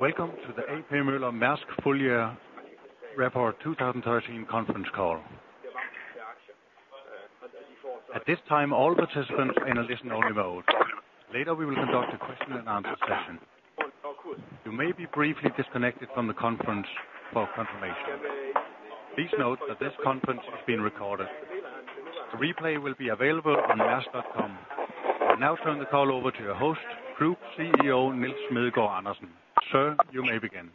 Welcome to the A.P. Møller - Mærsk full year report 2013 conference call. At this time, all participants are in a listen-only mode. Later, we will conduct a question and answer session. You may be briefly disconnected from the conference for confirmation. Please note that this conference is being recorded. The replay will be available on maersk.com. I now turn the call over to your host, Group CEO, Nils Smedegaard Andersen. Sir, you may begin.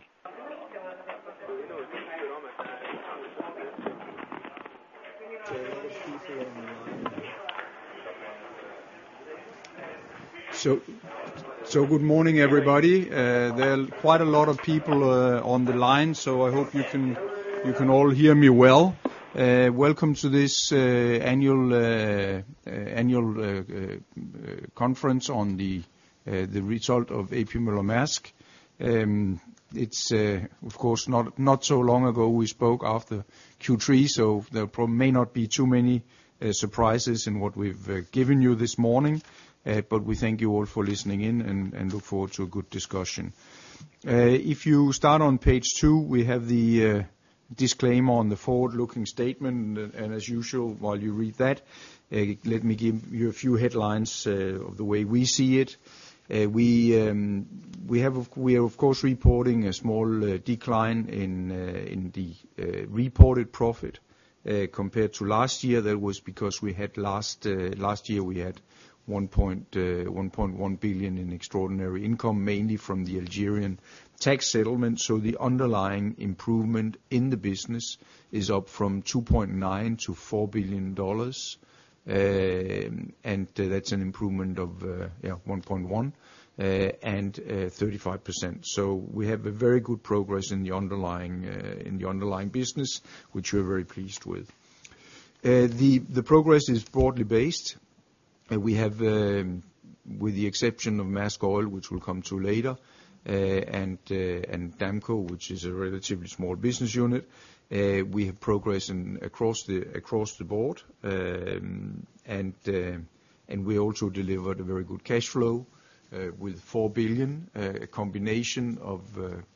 Good morning, everybody. There are quite a lot of people on the line, so I hope you can all hear me well. Welcome to this annual conference on the result of A.P. Møller - Mærsk. It's of course not so long ago, we spoke after Q3, so there probably may not be too many surprises in what we've given you this morning. But we thank you all for listening in and look forward to a good discussion. If you start on page two, we have the disclaimer on the forward-looking statement. As usual, while you read that, let me give you a few headlines of the way we see it. We are of course reporting a small decline in the reported profit compared to last year. That was because last year we had $1.1 billion in extraordinary income, mainly from the Algerian tax settlement. The underlying improvement in the business is up from $2.9 billion-$4 billion. And that's an improvement of $1.1 billion and 35%. We have a very good progress in the underlying business, which we're very pleased with. The progress is broadly based, and we have, with the exception of Maersk Oil, which we'll come to later, and Damco, which is a relatively small business unit, we have progress across the board. We also delivered a very good cash flow with $4 billion, a combination of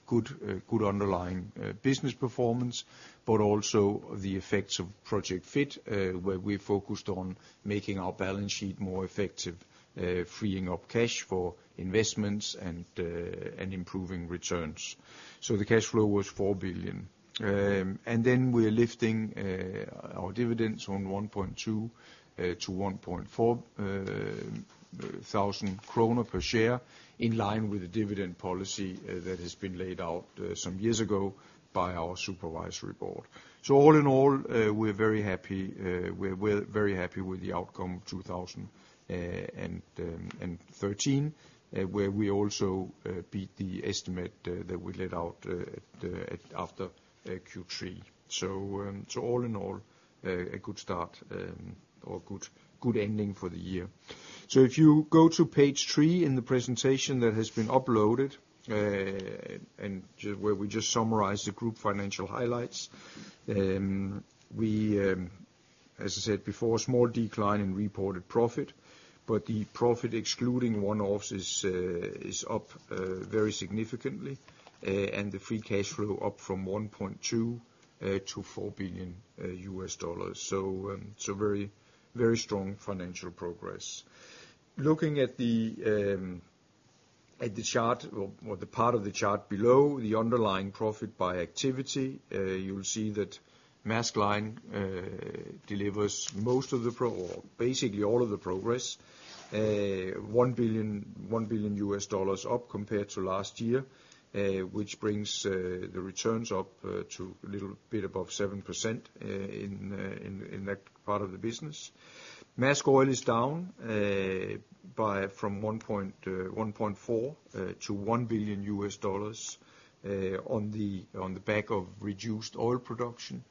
good underlying business performance, but also the effects of Project Fit, where we focused on making our balance sheet more effective, freeing up cash for investments and improving returns. The cash flow was $4 billion. We're lifting our dividends from 1.2 thousand-1.4 thousand kroner per share, in line with the dividend policy that has been laid out some years ago by our supervisory board. All in all, we're very happy with the outcome 2013, where we also beat the estimate that we laid out after Q3. All in all, a good start or good ending for the year. If you go to page 3 in the presentation that has been uploaded, and where we just summarize the Group financial highlights. We, as I said before, a small decline in reported profit, but the profit excluding one-offs is up very significantly, and the free cash flow up from $1.2 billion to $4 billion. Very, very strong financial progress. Looking at the chart or the part of the chart below, the underlying profit by activity, you'll see that Maersk Line delivers basically all of the progress, $1 billion up compared to last year, which brings the returns up to a little bit above 7% in that part of the business. Maersk Oil is down from $1.4 billion to $1 billion on the back of reduced oil production.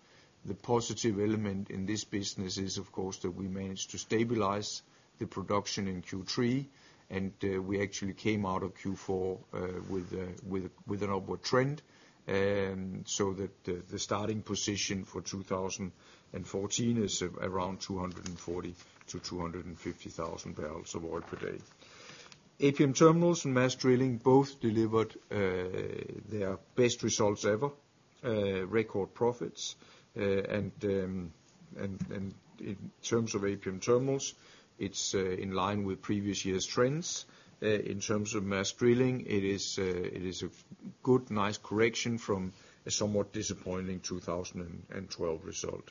The positive element in this business is, of course, that we managed to stabilize the production in Q3, and we actually came out of Q4 with an upward trend. The starting position for 2014 is around 240-250 thousand barrels of oil per day. APM Terminals and Maersk Drilling both delivered their best results ever, record profits. In terms of APM Terminals, it's in line with previous year's trends. In terms of Maersk Drilling, it is a good, nice correction from a somewhat disappointing 2012 result.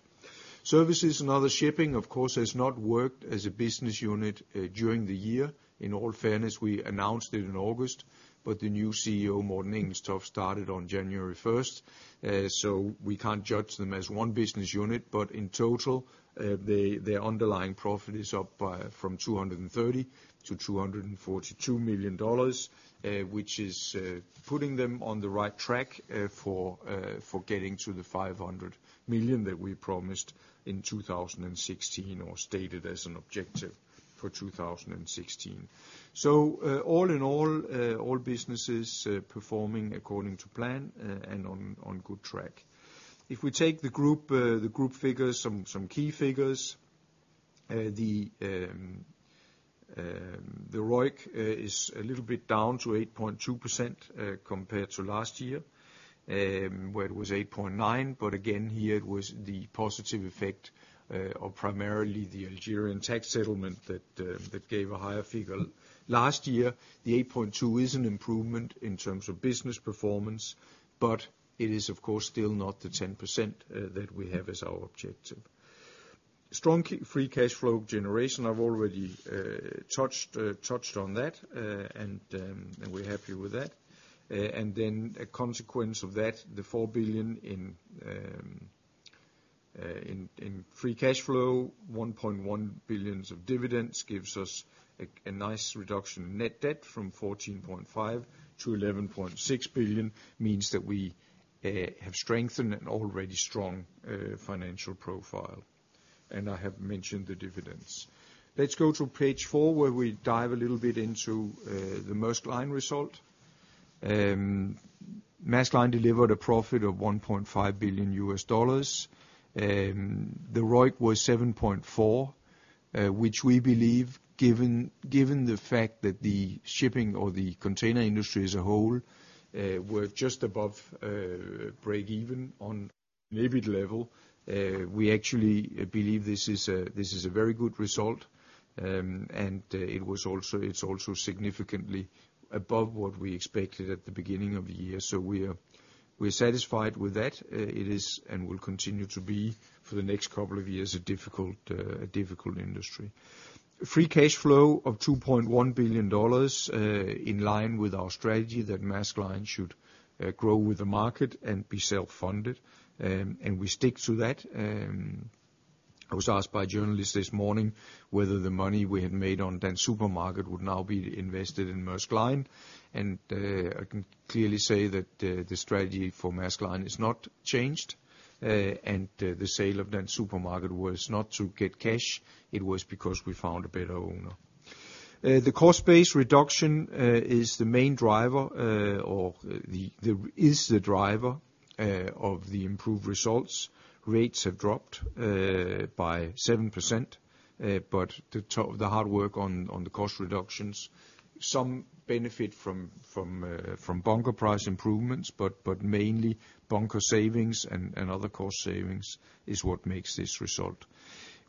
Services and other shipping, of course, has not worked as a business unit during the year. In all fairness, we announced it in August, but the new CEO, Morten Engelstoft, started on January first. We can't judge them as one business unit, but in total, their underlying profit is up from $230 million to $242 million, which is putting them on the right track for getting to the $500 million that we promised in 2016 or stated as an objective for 2016. All in all businesses performing according to plan and on good track. If we take the group, the group figures, some key figures, the ROIC is a little bit down to 8.2%, compared to last year, where it was 8.9%. Again, here it was the positive effect of primarily the Algerian tax settlement that gave a higher figure last year. The 8.2 is an improvement in terms of business performance, but it is of course still not the 10% that we have as our objective. Strong free cash flow generation. I've already touched on that. We're happy with that. Then a consequence of that, the $4 billion in free cash flow, $1.1 billion of dividends gives us a nice reduction in net debt from $14.5-$11.6 billion, means that we have strengthened an already strong financial profile. I have mentioned the dividends. Let's go to page 4, where we dive a little bit into the Maersk Line result. Maersk Line delivered a profit of $1.5 billion. The ROIC was 7.4%, which we believe given the fact that the shipping or the container industry as a whole were just above breakeven on EBIT level. We actually believe this is a very good result. It's also significantly above what we expected at the beginning of the year. We're satisfied with that. It is and will continue to be for the next couple of years a difficult industry. Free cash flow of $2.1 billion in line with our strategy that Maersk Line should grow with the market and be self-funded. We stick to that. I was asked by a journalist this morning whether the money we had made on Dansk Supermarked would now be invested in Maersk Line. I can clearly say that the strategy for Maersk Line has not changed. The sale of Dansk Supermarked was not to get cash, it was because we found a better owner. The cost base reduction is the main driver of the improved results. Rates have dropped by 7%, but the hard work on the cost reductions, some benefit from bunker price improvements, but mainly bunker savings and other cost savings is what makes this result.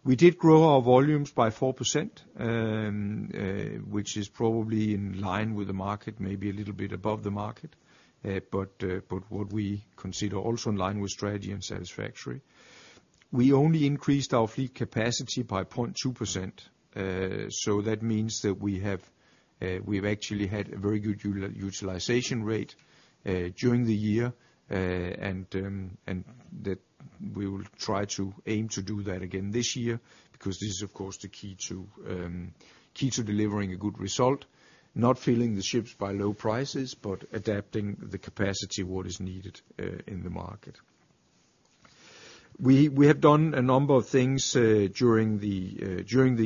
We did grow our volumes by 4%, which is probably in line with the market, maybe a little bit above the market. What we consider also in line with strategy and satisfactory. We only increased our fleet capacity by 0.2%. That means that we have, we've actually had a very good utilization rate during the year. That we will try to aim to do that again this year because this is of course the key to delivering a good result, not filling the ships by low prices, but adapting the capacity what is needed in the market. We have done a number of things during the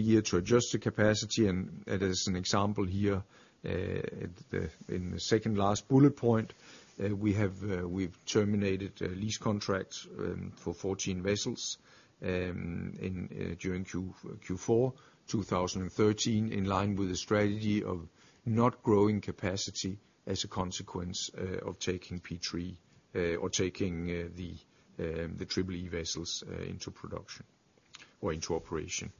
year to adjust the capacity, and it is an example here in the second last bullet point. We've terminated lease contracts for 14 vessels during Q4 2013 in line with the strategy of not growing capacity as a consequence of taking P3 or taking the Triple-E vessels into production or into operation.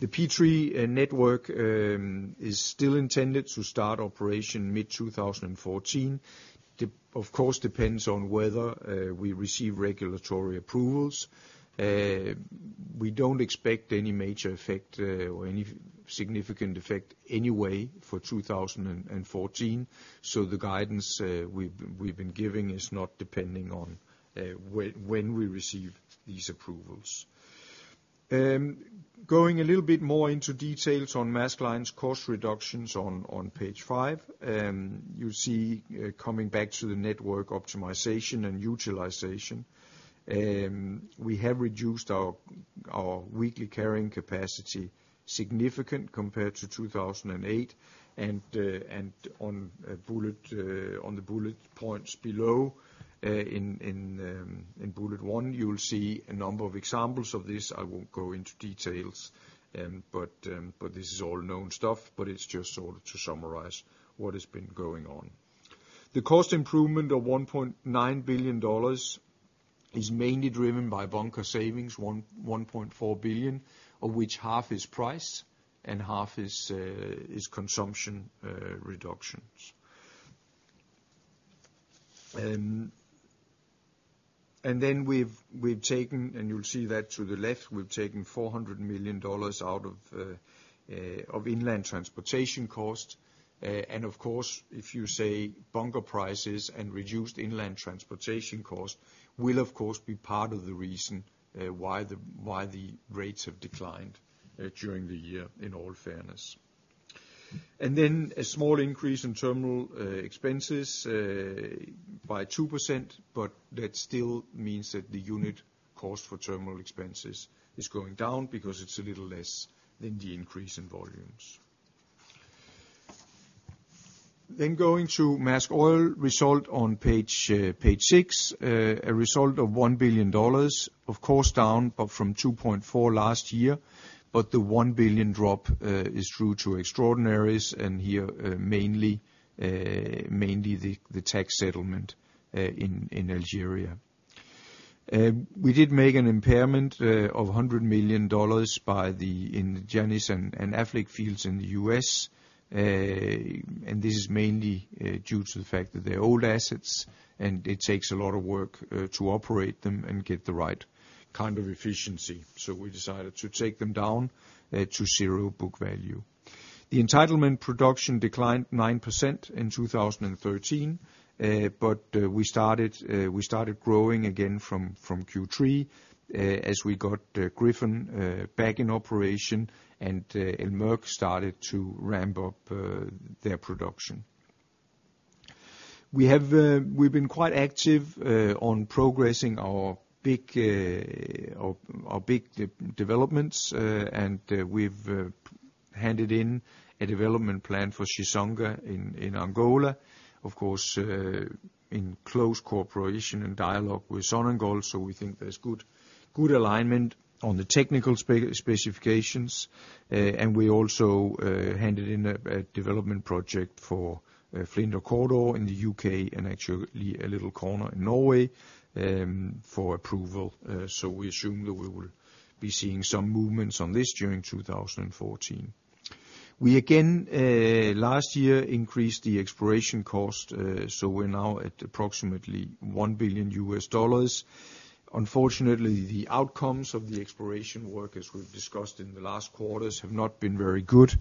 The P3 network is still intended to start operation mid-2014. It of course depends on whether we receive regulatory approvals. We don't expect any major effect or any significant effect anyway for 2014. The guidance we've been giving is not depending on when we receive these approvals. Going a little bit more into details on Maersk Line's cost reductions on page five, you see, coming back to the network optimization and utilization, we have reduced our weekly carrying capacity significantly compared to 2008. On the bullet points below, in bullet one, you'll see a number of examples of this. I won't go into details, but this is all known stuff, but it's just sort of to summarize what has been going on. The cost improvement of $1.9 billion is mainly driven by bunker savings, $1.4 billion, of which half is price and half is consumption reductions. We've taken, and you'll see that to the left, we've taken $400 million out of inland transportation costs. Of course, if you say bunker prices and reduced inland transportation costs, will of course be part of the reason why the rates have declined during the year in all fairness. A small increase in terminal expenses by 2%, but that still means that the unit cost for terminal expenses is going down because it's a little less than the increase in volumes. Going to Maersk Oil result on page six. A result of $1 billion, of course, down from $2.4 billion last year. The $1 billion drop is due to extraordinaries, and here mainly the tax settlement in Algeria. We did make an impairment of $100 million in the Janice and Affleck fields in the US. This is mainly due to the fact that they're old assets, and it takes a lot of work to operate them and get the right kind of efficiency. We decided to take them down to zero book value. The entitlement production declined 9% in 2013. We started growing again from Q3 as we got Gryphon back in operation and El Merk started to ramp up their production. We have been quite active on progressing our big developments. We've handed in a development plan for Chissonga in Angola, of course, in close cooperation and dialogue with Sonangol. We think there's good alignment on the technical specifications. We also handed in a development project for Foinaven Corridor in the UK and actually a little corner in Norway for approval. We assume that we will be seeing some movements on this during 2014. We again last year increased the exploration cost, so we're now at approximately $1 billion. Unfortunately, the outcomes of the exploration work, as we've discussed in the last quarters, have not been very good.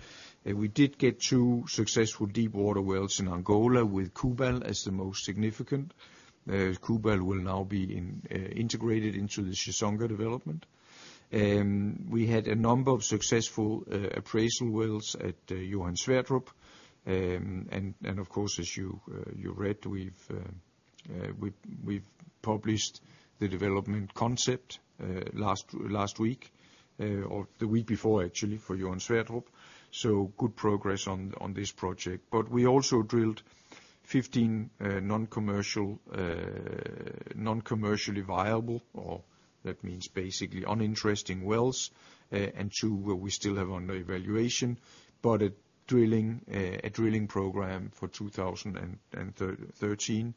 We did get two successful deepwater wells in Angola with Quiba as the most significant. Quiba will now be integrated into the Chissonga development. We had a number of successful appraisal wells at Johan Sverdrup. Of course, as you read, we've published the development concept last week or the week before actually for Johan Sverdrup. Good progress on this project. We also drilled 15 non-commercial, non-commercially viable, or that means basically uninteresting wells, and two where we still have under evaluation. The drilling program for 2013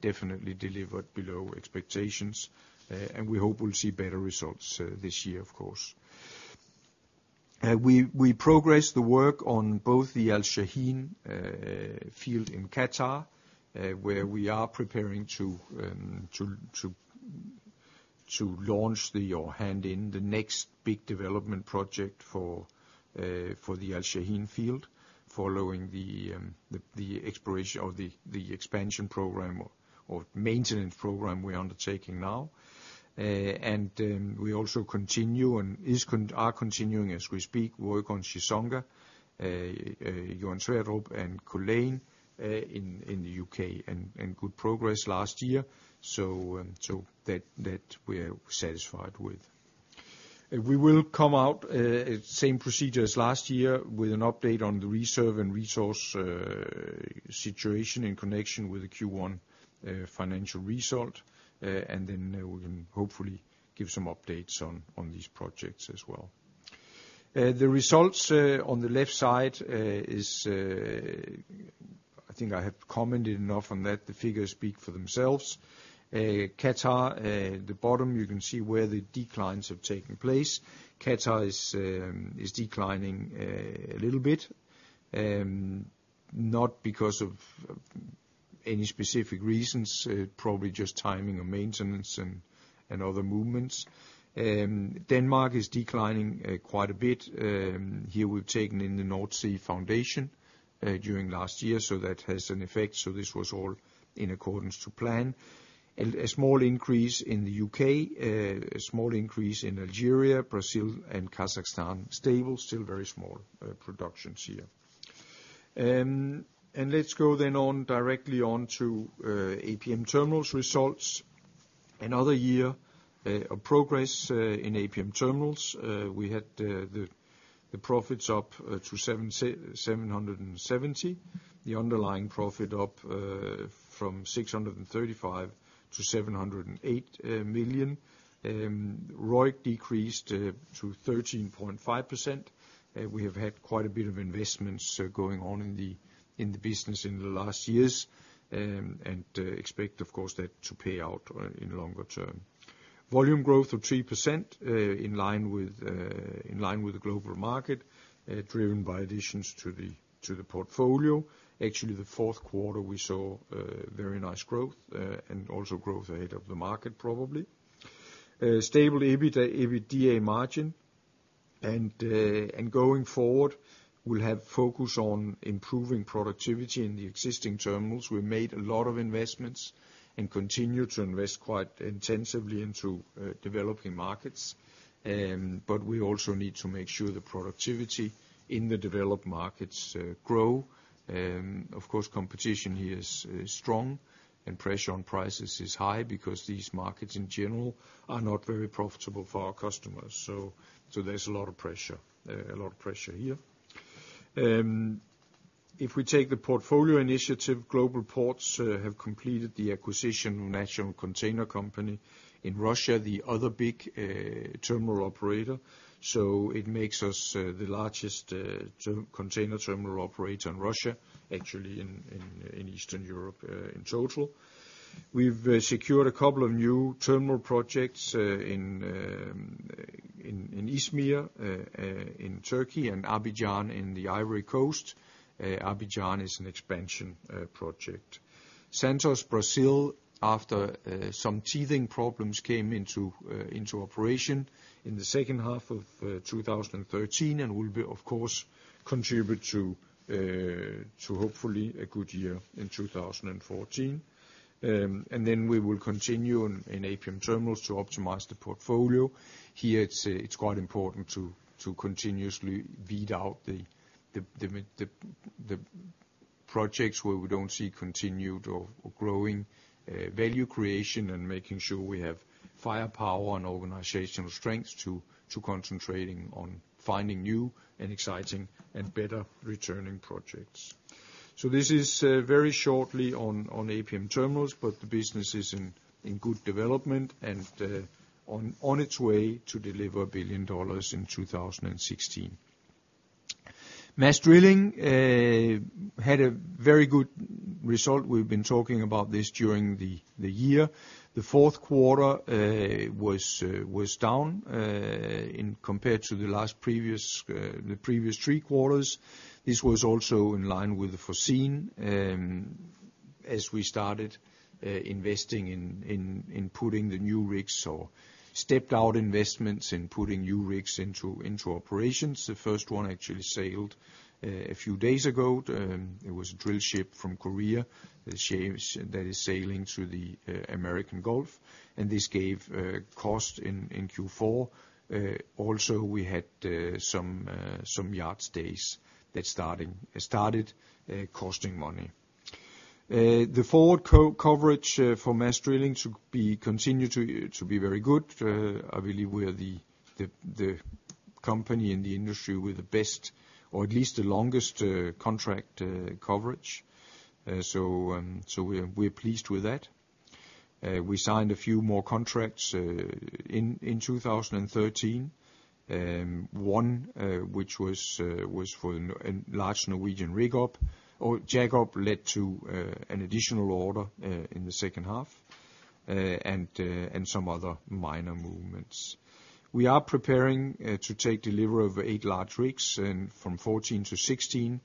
definitely delivered below expectations. We hope we'll see better results this year of course. We progressed the work on both the Al Shaheen field in Qatar, where we are preparing to launch the or hand in the next big development project for the Al Shaheen field, following the exploration or the expansion program or maintenance program we're undertaking now. We also are continuing as we speak work on Chissonga, Johan Sverdrup and Culzean in the UK, and good progress last year. That we are satisfied with. We will come out same procedure as last year with an update on the reserve and resource situation in connection with the Q1 financial result. Then we can hopefully give some updates on these projects as well. The results on the left side is, I think I have commented enough on that, the figures speak for themselves. Qatar at the bottom, you can see where the declines have taken place. Qatar is declining a little bit. Not because of any specific reasons, probably just timing of maintenance and other movements. Denmark is declining quite a bit. Here we've taken in the Nordsøfonden during last year, so that has an effect. This was all in accordance to plan. A small increase in the UK, a small increase in Algeria, Brazil and Kazakhstan, stable, still very small productions here. Let's go directly on to APM Terminals results. Another year of progress in APM Terminals. We had the profits up to $770 million. The underlying profit up from $635 million to $708 million. ROIC decreased to 13.5%. We have had quite a bit of investments going on in the business in the last years. Expect of course that to pay out in the longer term. Volume growth of 3%, in line with the global market, driven by additions to the portfolio. Actually, the fourth quarter, we saw very nice growth, and also growth ahead of the market, probably. Stable EBITA, EBITDA margin. Going forward, we'll have focus on improving productivity in the existing terminals. We made a lot of investments and continue to invest quite intensively into developing markets. We also need to make sure the productivity in the developed markets grow. Of course, competition here is strong and pressure on prices is high because these markets in general are not very profitable for our customers. There's a lot of pressure here. If we take the portfolio initiative, Global Ports have completed the acquisition of National Container Company in Russia, the other big terminal operator, so it makes us the largest container terminal operator in Russia, actually in Eastern Europe in total. We've secured a couple of new terminal projects in Izmir in Turkey and Abidjan in the Ivory Coast. Abidjan is an expansion project. Santos, Brazil, after some teething problems came into operation in the second half of 2013 and will be, of course, contribute to hopefully a good year in 2014. We will continue in APM Terminals to optimize the portfolio. Here, it's quite important to continuously weed out the projects where we don't see continued or growing value creation and making sure we have firepower and organizational strength to concentrating on finding new and exciting and better returning projects. This is very shortly on APM Terminals, but the business is in good development and on its way to deliver $1 billion in 2016. Maersk Drilling had a very good result. We've been talking about this during the year. The fourth quarter was down compared to the previous three quarters. This was also in line with the foreseen as we started investing in putting the new rigs or step-out investments in putting new rigs into operations. The first one actually sailed a few days ago. It was a drill ship from Korea that is sailing to the American Gulf. This gave cost in Q4. Also, we had some yard stays that started costing money. The forward coverage for Maersk Drilling should continue to be very good. I believe we are the company in the industry with the best or at least the longest contract coverage. We're pleased with that. We signed a few more contracts in 2013. One which was for a large Norwegian jack-up led to an additional order in the second half, and some other minor movements. We are preparing to take delivery of eight large rigs from 2014 to 2016,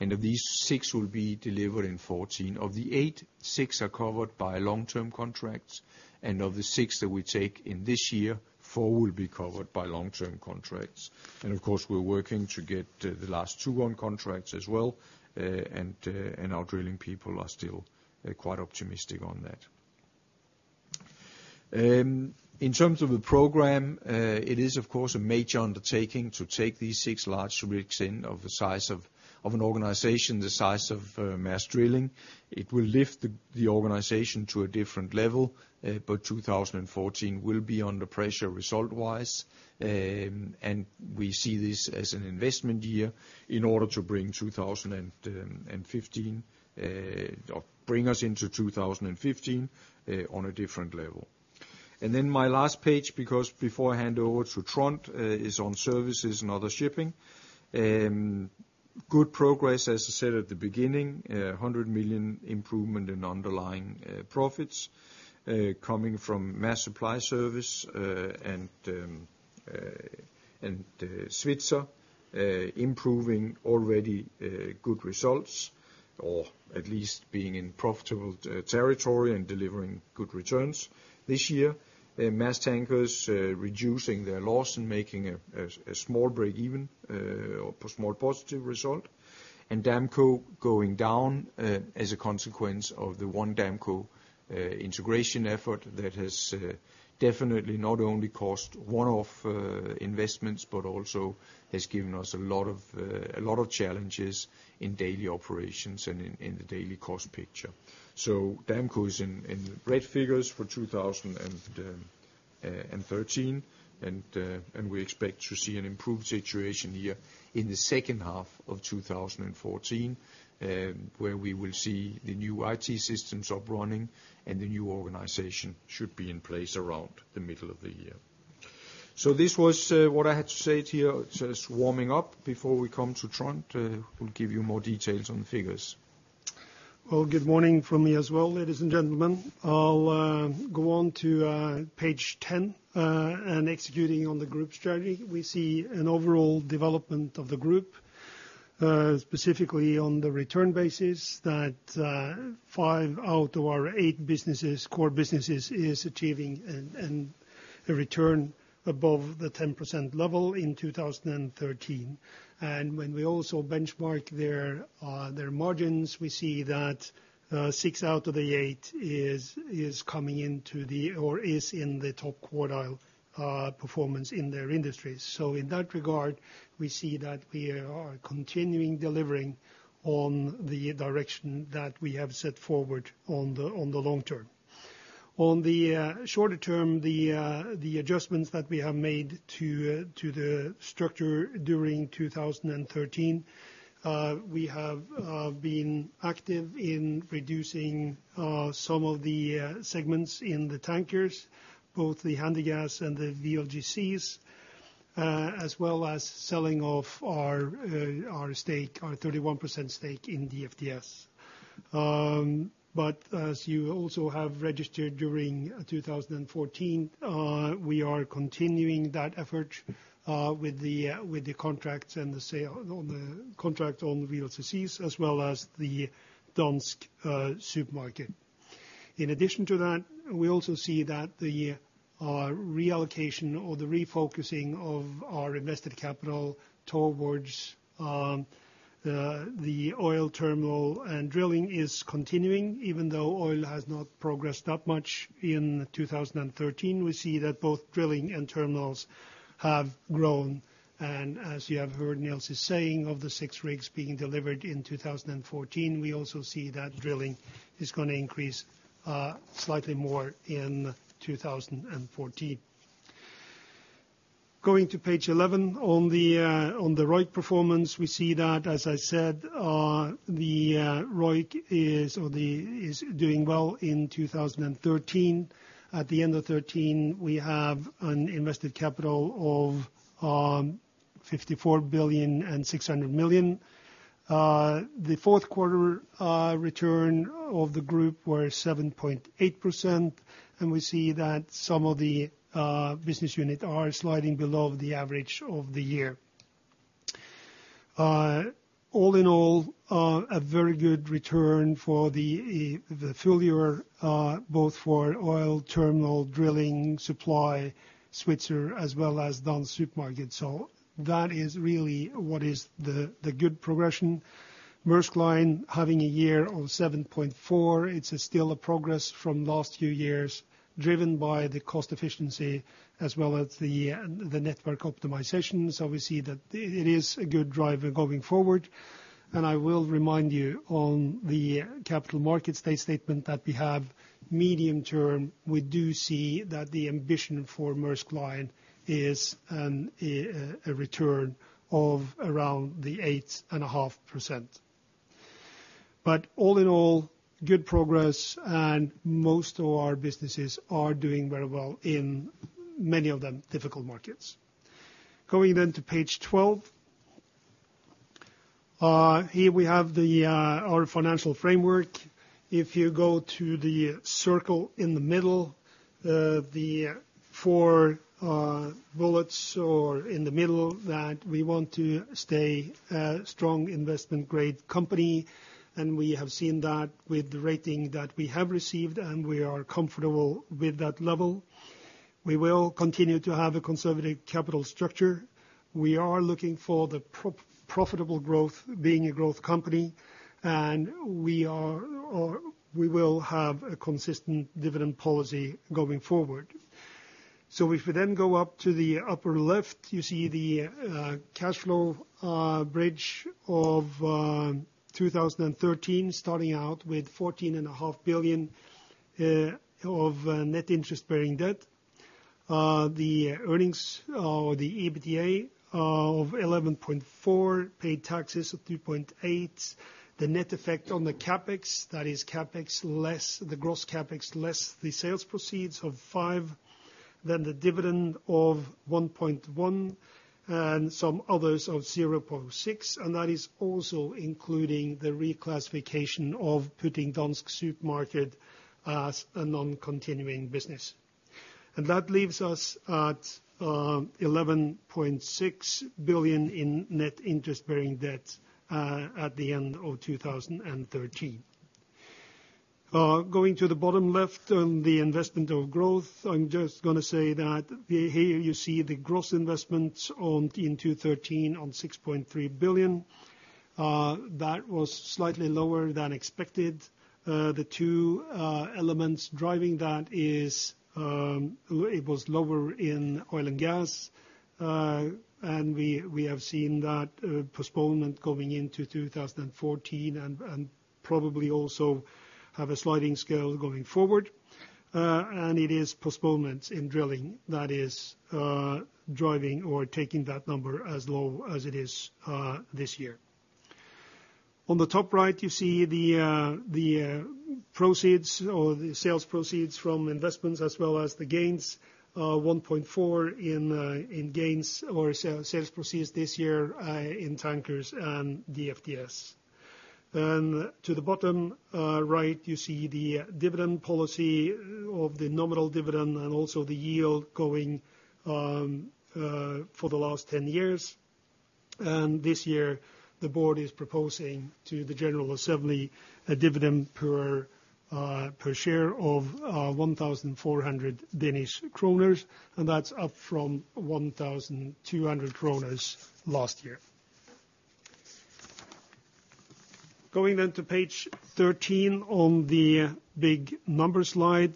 and of these, six will be delivered in 2014. Of the eight, six are covered by long-term contracts, and of the six that we take in this year, four will be covered by long-term contracts. Of course, we're working to get the last two on contracts as well, and our drilling people are still quite optimistic on that. In terms of the program, it is of course a major undertaking to take these six large rigs into an organization the size of Maersk Drilling. It will lift the organization to a different level, but 2014 will be under pressure result-wise. We see this as an investment year in order to bring 2015 or bring us into 2015 on a different level. Then my last page, because before I hand over to Trond, is on Services and Other Shipping. Good progress, as I said at the beginning, $100 million improvement in underlying profits coming from Maersk Supply Service and Svitzer improving already good results or at least being in profitable territory and delivering good returns this year. Maersk Tankers reducing their loss and making a small breakeven or a small positive result. Damco going down as a consequence of the One Damco integration effort that has definitely not only cost one-off investments but also has given us a lot of challenges in daily operations and in the daily cost picture. Damco is in red figures for 2013, and we expect to see an improved situation here in the second half of 2014, where we will see the new IT systems up and running and the new organization should be in place around the middle of the year. This was what I had to say to you. It's just warming up before we come to Trond, who'll give you more details on the figures. Well, good morning from me as well, ladies and gentlemen. I'll go on to page 10 and executing on the group strategy. We see an overall development of the group, specifically on the return basis that five out of our eight businesses, core businesses is achieving a return above the 10% level in 2013. When we also benchmark their margins, we see that six out of the eight is coming into the or is in the top quartile performance in their industries. In that regard, we see that we are continuing delivering on the direction that we have set forward on the long term. On the shorter term, the adjustments that we have made to the structure during 2013, we have been active in reducing some of the segments in the tankers, both the Handygas and the VLGCs, as well as selling off our 31% stake in the DFDS. As you also have registered during 2014, we are continuing that effort with the contracts and the sale on the contract on the VLCCs as well as the Dansk Supermarked. In addition to that, we also see that the reallocation or the refocusing of our invested capital towards the oil terminal and drilling is continuing even though oil has not progressed that much in 2013. We see that both drilling and terminals have grown, and as you have heard Niels saying of the 6 rigs being delivered in 2014, we also see that drilling is gonna increase slightly more in 2014. Going to page 11, on the ROIC performance, we see that, as I said, the ROIC is doing well in 2013. At the end of 2013, we have an invested capital of $54.6 billion. The fourth quarter return of the group were 7.8%, and we see that some of the business units are sliding below the average of the year. All in all, a very good return for the full year, both for oil terminal, drilling, supply, Svitzer, as well as Dansk Supermarked. That is really what is the good progression. Maersk Line having a year of 7.4%, it's still a progress from last few years, driven by the cost efficiency as well as the network optimization. We see that it is a good driver going forward. I will remind you on the capital markets day statement that we have medium-term, we do see that the ambition for Maersk Line is a return of around 8.5%. All in all, good progress, and most of our businesses are doing very well in many of them difficult markets. Going to page 12. Here we have our financial framework. If you go to the circle in the middle, the four bullets in the middle that we want to stay a strong investment grade company, and we have seen that with the rating that we have received, and we are comfortable with that level. We will continue to have a conservative capital structure. We are looking for the profitable growth, being a growth company, and we are, or we will have a consistent dividend policy going forward. If we then go up to the upper left, you see the cash flow bridge of 2013, starting out with $14.5 billion of net interest-bearing debt. The earnings or the EBITDA of $11.4 billion, paid taxes of $2.8 billion. The net effect on the CapEx, that is CapEx less the gross CapEx, less the sales proceeds of $5 billion, then the dividend of $1.1 billion, and some others of $0.6 billion. That is also including the reclassification of putting Dansk Supermarked as a non-continuing business. That leaves us at $11.6 billion in net interest bearing debt at the end of 2013. Going to the bottom left on the investment of growth, I'm just gonna say that here you see the gross investments in 2013 of $6.3 billion. That was slightly lower than expected. The two elements driving that is it was lower in oil and gas. We have seen that postponement going into 2014 and probably also have a sliding scale going forward. It is postponement in drilling that is driving or taking that number as low as it is this year. On the top right, you see the proceeds or the sales proceeds from investments as well as the gains, $1.4 billion in gains or sales proceeds this year in tankers and DFDS. To the bottom right, you see the dividend policy of the nominal dividend and also the yield going for the last 10 years. This year, the board is proposing to the general assembly a dividend per share of 1,400 Danish kroner, and that's up from 1,200 kroner last year. Going to page 13 on the big number slide.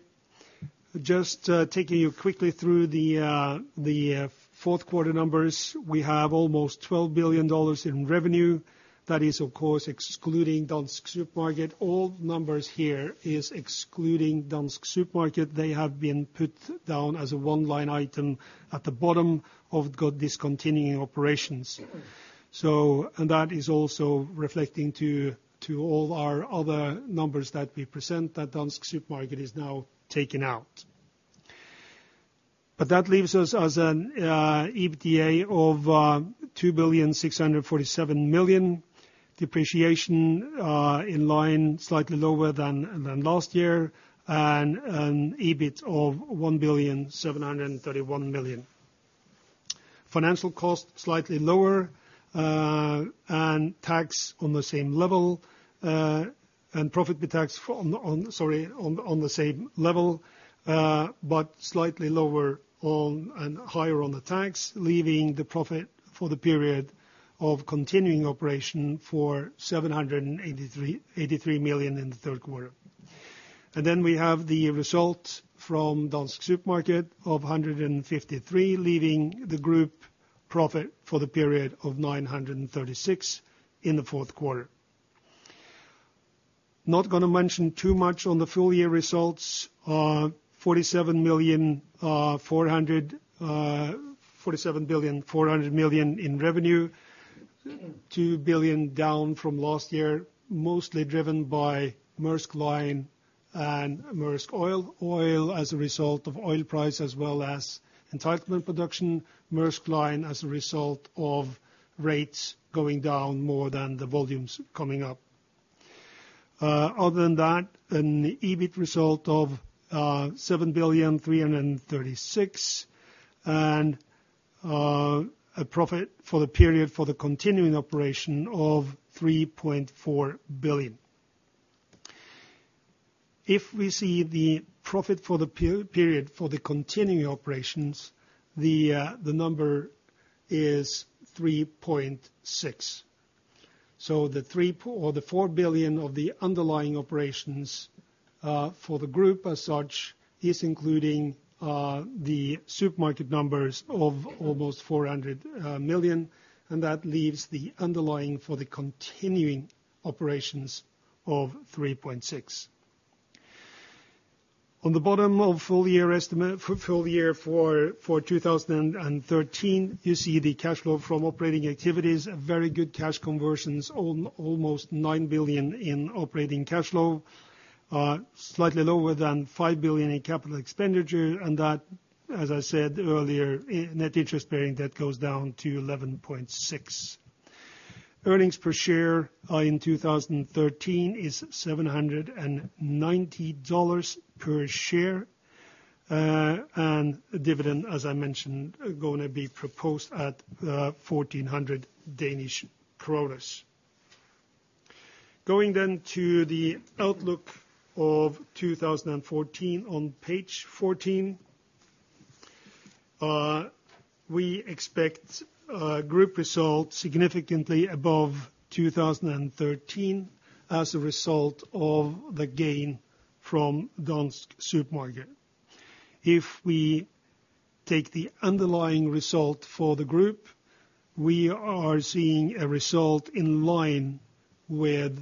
Just taking you quickly through the fourth quarter numbers. We have almost $12 billion in revenue. That is, of course, excluding Dansk Supermarked. All numbers here is excluding Dansk Supermarked. They have been put down as a one-line item at the bottom of discontinued operations. And that is also reflecting in all our other numbers that we present that Dansk Supermarked is now taken out. That leaves us with an EBITDA of $2.647 billion. Depreciation in line, slightly lower than last year and an EBIT of $1.731 billion. Financial costs slightly lower, and tax on the same level, and profit pre-tax on the same level, but slightly lower on and higher on the tax, leaving the profit for the period of continuing operation for $783 million in the third quarter. We have the result from Dansk Supermarked of $153 million, leaving the group profit for the period of $936 million in the fourth quarter. Not gonna mention too much on the full year results. $47.4 billion in revenue, $2 billion down from last year, mostly driven by Maersk Line and Maersk Oil. Maersk Oil as a result of oil price, as well as entitlement production, Maersk Line as a result of rates going down more than the volumes coming up. Other than that, an EBIT result of $7.336 billion and a profit for the period for the continuing operation of $3.4 billion. If we see the profit for the period for the continuing operations, the number is $3.6 billion. The $3 or the $4 billion of the underlying operations for the group as such is including the Dansk Supermarked numbers of almost $400 million, and that leaves the underlying for the continuing operations of $3.6 billion. On the bottom of full year estimate, full year for 2013, you see the cash flow from operating activities, very good cash conversions, almost $9 billion in operating cash flow, slightly lower than $5 billion in capital expenditure. That, as I said earlier, net interest-bearing debt goes down to $11.6 billion. Earnings per share in 2013 is $790 per share. Dividend, as I mentioned, going to be proposed at 1,400 Danish kroner. Going to the outlook of 2014 on page 14. We expect group results significantly above 2013 as a result of the gain from Dansk Supermarked. If we take the underlying result for the group, we are seeing a result in line with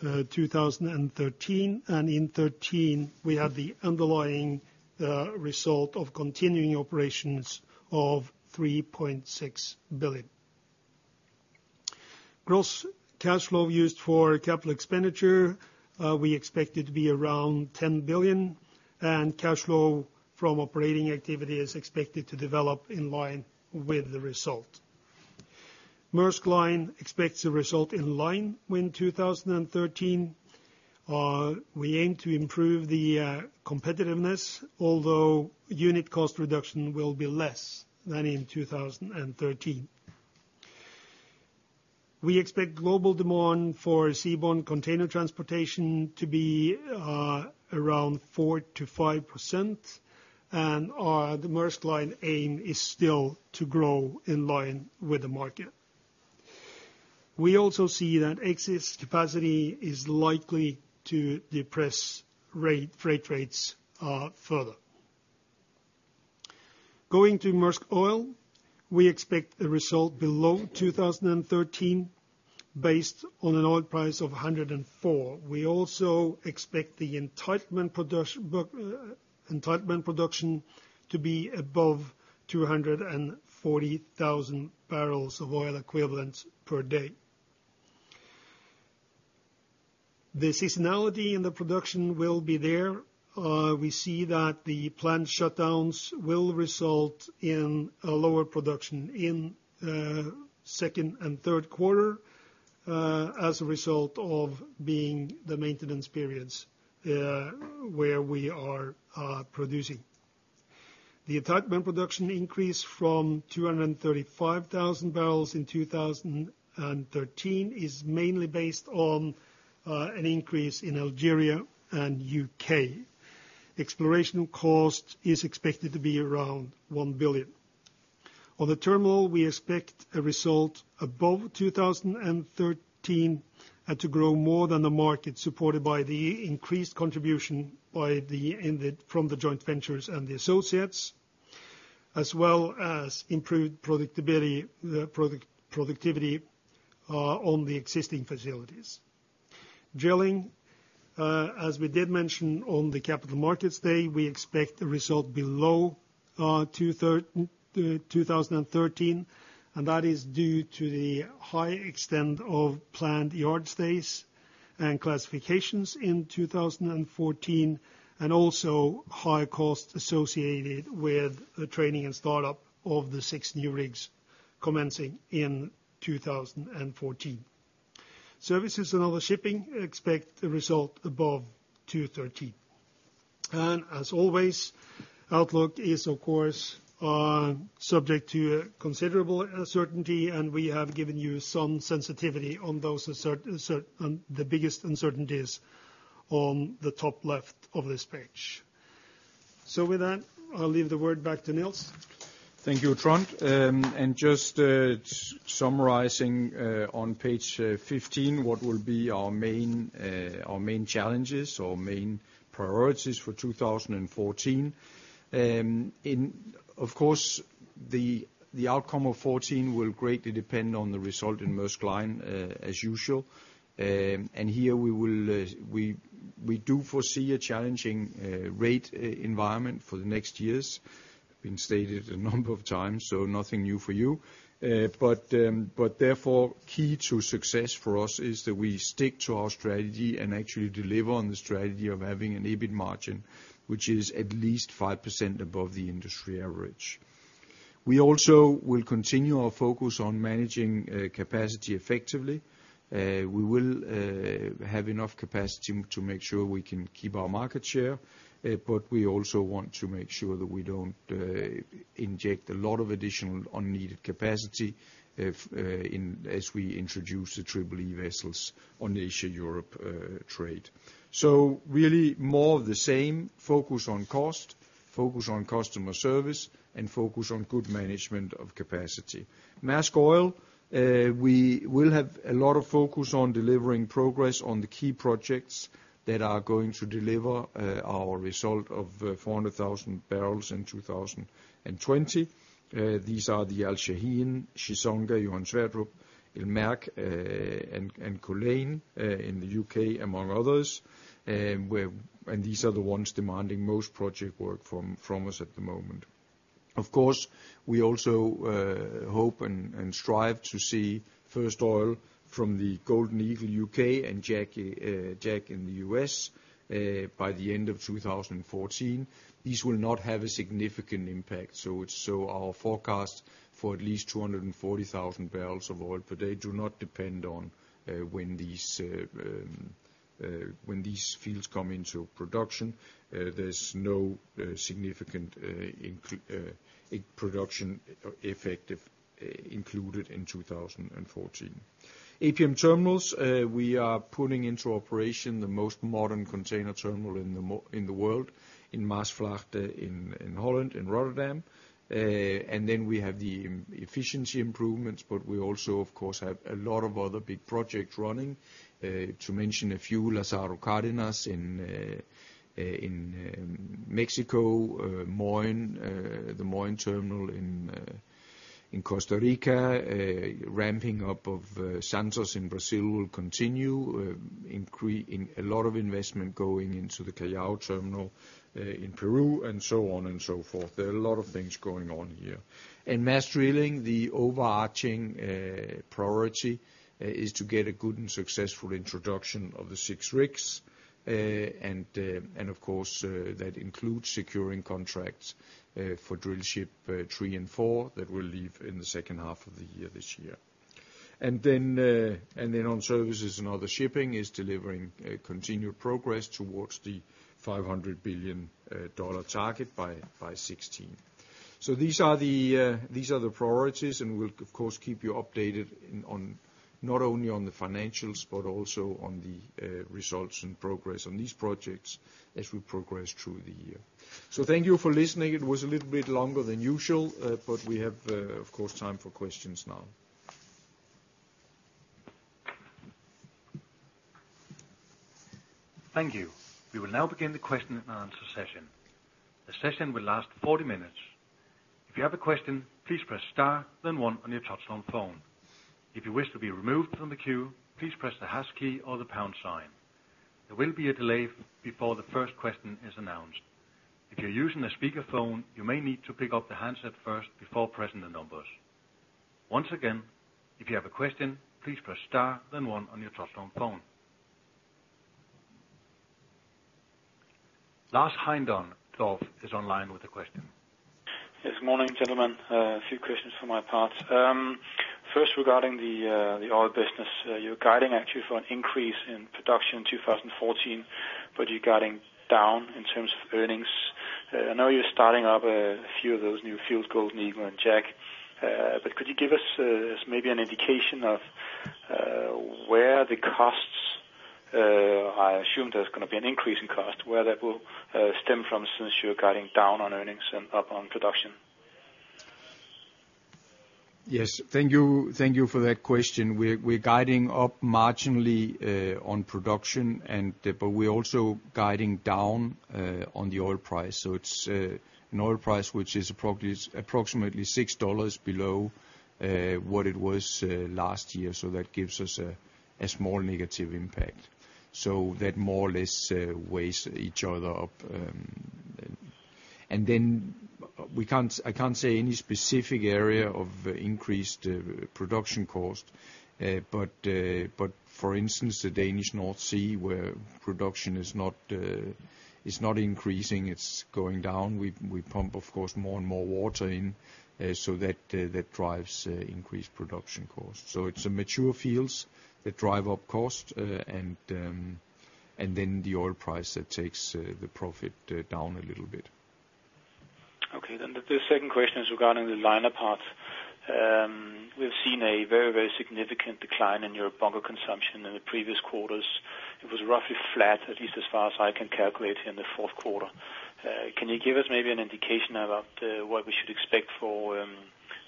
2013, and in 2013 we have the underlying result of continuing operations of $3.6 billion. Gross cash flow used for CapEx, we expect it to be around $10 billion, and cash flow from operating activity is expected to develop in line with the result. Maersk Line expects a result in line with 2013. We aim to improve the competitiveness, although unit cost reduction will be less than in 2013. We expect global demand for seaborne container transportation to be around 4%-5%. The Maersk Line aim is still to grow in line with the market. We also see that excess capacity is likely to depress freight rates further. Going to Maersk Oil, we expect a result below 2013 based on an oil price of $104. We also expect the entitlement production to be above 240,000 barrels of oil equivalent per day. The seasonality in the production will be there. We see that the planned shutdowns will result in a lower production in second and third quarter as a result of the maintenance periods where we are producing. The entitlement production increase from 235,000 barrels in 2013 is mainly based on an increase in Algeria and UK. Exploration cost is expected to be around $1 billion. On the terminal, we expect a result above 2013, and to grow more than the market supported by the increased contribution from the joint ventures and the associates, as well as improved predictability, productivity on the existing facilities. Drilling, as we did mention on the capital markets day, we expect the result below 2013, and that is due to the high extent of planned yard stays and classifications in 2014, and also higher costs associated with the training and start-up of the six new rigs commencing in 2014. Services and other shipping expect the result above 2013. As always, outlook is of course subject to considerable uncertainty, and we have given you some sensitivity on the biggest uncertainties on the top left of this page. With that, I'll leave the word back to Nils. Thank you, Trond. Just summarizing on page 15, what will be our main challenges or main priorities for 2014. In, of course, the outcome of 2014 will greatly depend on the result in Maersk Line, as usual. Here we will do foresee a challenging rate environment for the next years. Been stated a number of times, so nothing new for you. Therefore, key to success for us is that we stick to our strategy and actually deliver on the strategy of having an EBIT margin, which is at least 5% above the industry average. We also will continue our focus on managing capacity effectively. We will have enough capacity to make sure we can keep our market share, but we also want to make sure that we don't inject a lot of additional unneeded capacity as we introduce the Triple-E vessels on Asia-Europe trade. Really more of the same. Focus on cost, focus on customer service, and focus on good management of capacity. Maersk Oil, we will have a lot of focus on delivering progress on the key projects that are going to deliver our result of 400,000 barrels in 2020. These are the Al Shaheen, Chissonga, Johan Sverdrup, El Merk, and Culzean in the UK, among others. These are the ones demanding most project work from us at the moment. Of course, we also hope and strive to see first oil from the Golden Eagle UK and Jack in the US by the end of 2014. These will not have a significant impact, so our forecast for at least 240,000 barrels of oil per day do not depend on when these fields come into production. There's no significant incremental production included in 2014. APM Terminals, we are putting into operation the most modern container terminal in the world, in Maasvlakte in Holland, in Rotterdam. We have the efficiency improvements, but we also of course have a lot of other big projects running. To mention a few, Lázaro Cárdenas in Mexico, Moín, the Moín terminal in Costa Rica, ramping up of Santos in Brazil will continue, in a lot of investment going into the Callao terminal in Peru, and so on and so forth. There are a lot of things going on here. In Maersk Drilling, the overarching priority is to get a good and successful introduction of the six rigs. Of course, that includes securing contracts for drill ship three and four that will leave in the second half of the year this year. On services and other shipping is delivering continued progress towards the $500 billion target by 2016. These are the priorities, and we'll of course keep you updated on not only on the financials, but also on the results and progress on these projects as we progress through the year. Thank you for listening. It was a little bit longer than usual, but we have, of course, time for questions now. Thank you. We will now begin the question and answer session. The session will last 40 minutes. If you have a question, please press star then one on your touchtone phone. If you wish to be removed from the queue, please press the hash key or the pound sign. There will be a delay before the first question is announced. If you're using a speakerphone, you may need to pick up the handset first before pressing the numbers. Once again, if you have a question, please press star then one on your touchtone phone. Lars Heindorff of Nordea is online with a question. Yes, morning, gentlemen. A few questions for my part. First regarding the oil business. You're guiding actually for an increase in production in 2014, but you're guiding down in terms of earnings. I know you're starting up a few of those new fields, Golden Eagle and Jack. But could you give us maybe an indication of where the costs I assume there's gonna be an increase in cost. Where that will stem from since you're guiding down on earnings and up on production? Yes. Thank you. Thank you for that question. We're guiding up marginally on production, but we're also guiding down on the oil price. It's an oil price which is approximately $6 below what it was last year, so that gives us a small negative impact. That more or less weighs each other out. Then I can't say any specific area of increased production cost. For instance, the Danish North Sea, where production is not increasing, it's going down. We pump, of course, more and more water in, so that drives increased production costs. It's the mature fields that drive up cost, and then the oil price that takes the profit down a little bit. Okay, the second question is regarding the liner path. We've seen a very, very significant decline in your bunker consumption in the previous quarters. It was roughly flat, at least as far as I can calculate in the fourth quarter. Can you give us maybe an indication about what we should expect for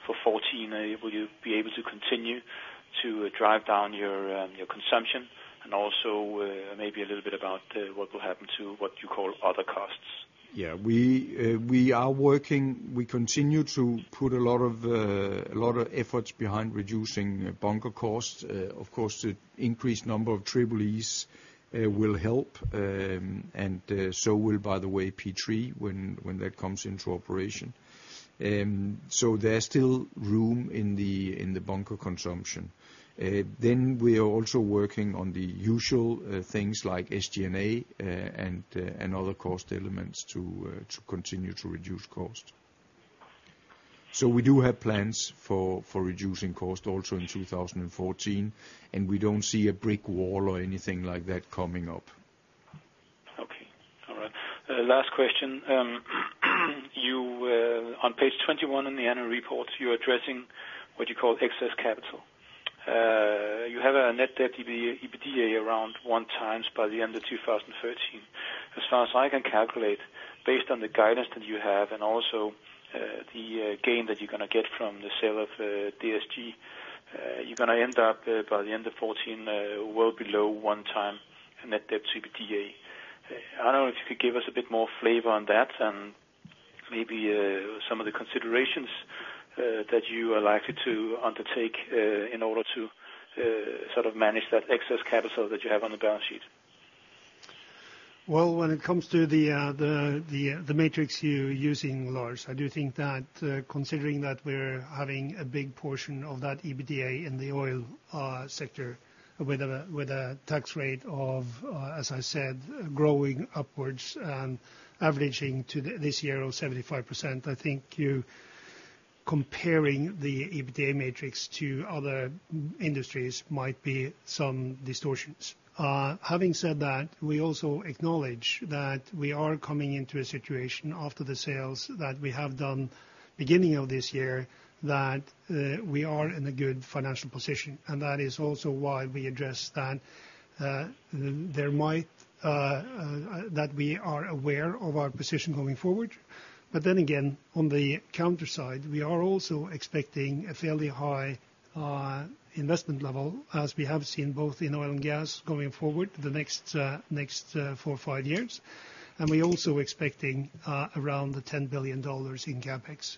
2014? Will you be able to continue to drive down your consumption? And also, maybe a little bit about what will happen to what you call other costs. Yeah. We are working. We continue to put a lot of efforts behind reducing bunker costs. Of course, the increased number of Triple-E will help, so will, by the way, P3, when that comes into operation. There's still room in the bunker consumption. We are also working on the usual things like SG&A and other cost elements to continue to reduce cost. We do have plans for reducing cost also in 2014, and we don't see a brick wall or anything like that coming up. Okay. All right. Last question. You on page 21 in the annual report, you're addressing what you call excess capital. You have a net debt to EBITDA around one times by the end of 2013. As far as I can calculate, based on the guidance that you have and also the gain that you're gonna get from the sale of DSG, you're gonna end up by the end of 2014 well below one times net debt to EBITDA. I don't know if you could give us a bit more flavor on that and maybe some of the considerations that you are likely to undertake in order to sort of manage that excess capital that you have on the balance sheet. Well, when it comes to the metrics you're using, Lars, I do think that considering that we're having a big portion of that EBITDA in the oil sector with a tax rate of as I said growing upwards and averaging to this year of 75%, I think you comparing the EBITDA metrics to other industries might be some distortions. Having said that, we also acknowledge that we are coming into a situation after the sales that we have done beginning of this year that we are in a good financial position. That is also why we address that there might that we are aware of our position going forward. Again, on the counter side, we are also expecting a fairly high investment level as we have seen both in oil and gas going forward the next four or five years. We're also expecting around $10 billion in CapEx.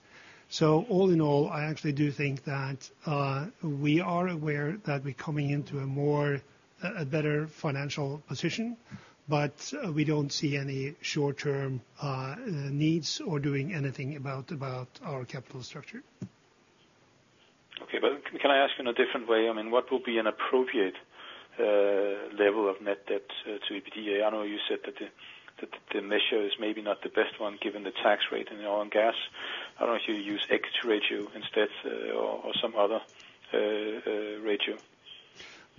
All in all, I actually do think that we are aware that we're coming into a better financial position, but we don't see any short-term needs or doing anything about our capital structure. Okay. Can I ask in a different way? I mean, what will be an appropriate level of net debt to EBITDA? I know you said that the measure is maybe not the best one given the tax rate in oil and gas. I don't know if you use X ratio instead, or some other ratio.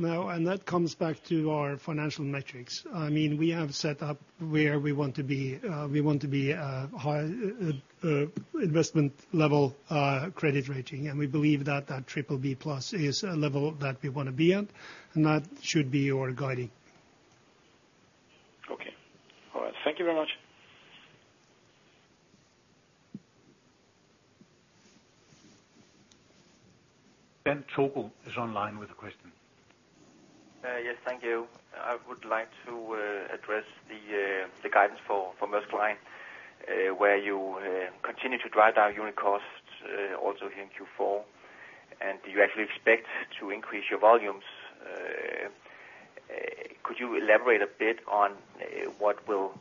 No, that comes back to our financial metrics. I mean, we have set up where we want to be. We want to be a high investment level credit rating, and we believe that that triple B plus is a level that we wanna be at, and that should be our guiding. Okay. All right. Thank you very much. Ben Tøpholm is online with a question. Yes, thank you. I would like to address the guidance for Maersk Line, where you continue to drive down unit costs also in Q4. Do you actually expect to increase your volumes? Could you elaborate a bit on what will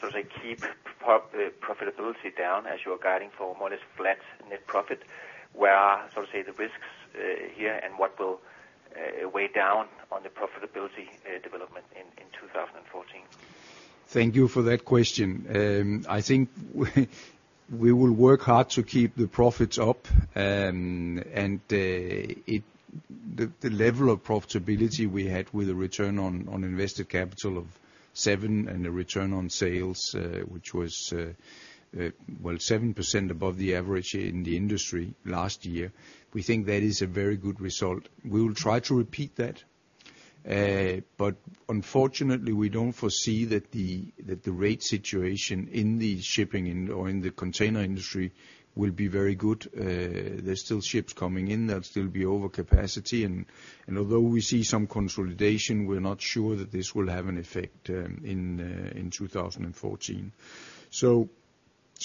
sort of say keep profitability down as you are guiding for more or less flat net profit? Where are sort of say the risks here, and what will weigh down on the profitability development in 2014? Thank you for that question. I think we will work hard to keep the profits up. The level of profitability we had with a return on invested capital of seven and a return on sales, which was well 7% above the average in the industry last year. We think that is a very good result. We will try to repeat that. Unfortunately, we don't foresee that the rate situation in the shipping or container industry will be very good. There are still ships coming in, there'll still be overcapacity. Although we see some consolidation, we're not sure that this will have an effect in 2014.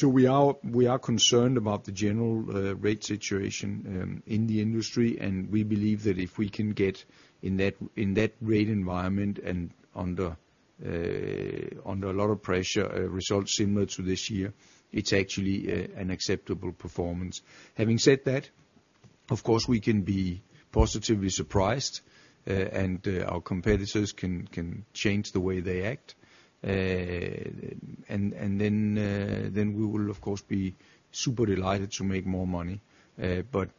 We are concerned about the general rate situation in the industry. We believe that if we can get in that rate environment and under a lot of pressure a result similar to this year, it's actually an acceptable performance. Having said that, of course we can be positively surprised, and our competitors can change the way they act. Then we will of course be super delighted to make more money. But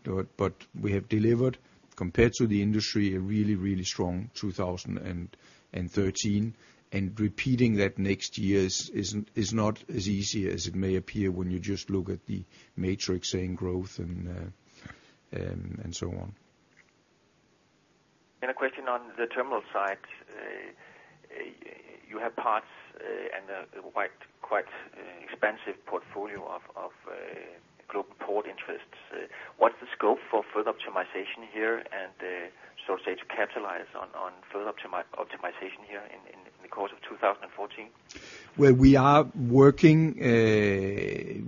we have delivered compared to the industry, a really strong 2013. Repeating that next year is not as easy as it may appear when you just look at the metrics saying growth and so on. A question on the terminal side. You have ports and a quite expensive portfolio of global port interests. What's the scope for further optimization here and so as to capitalize on further optimization here in the course of 2014? Well, we are working.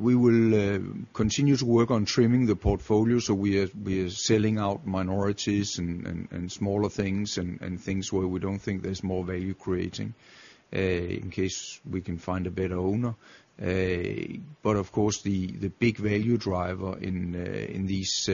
We will continue to work on trimming the portfolio. We are selling out minorities and smaller things, and things where we don't think there's more value creating, in case we can find a better owner. But of course, the big value driver in this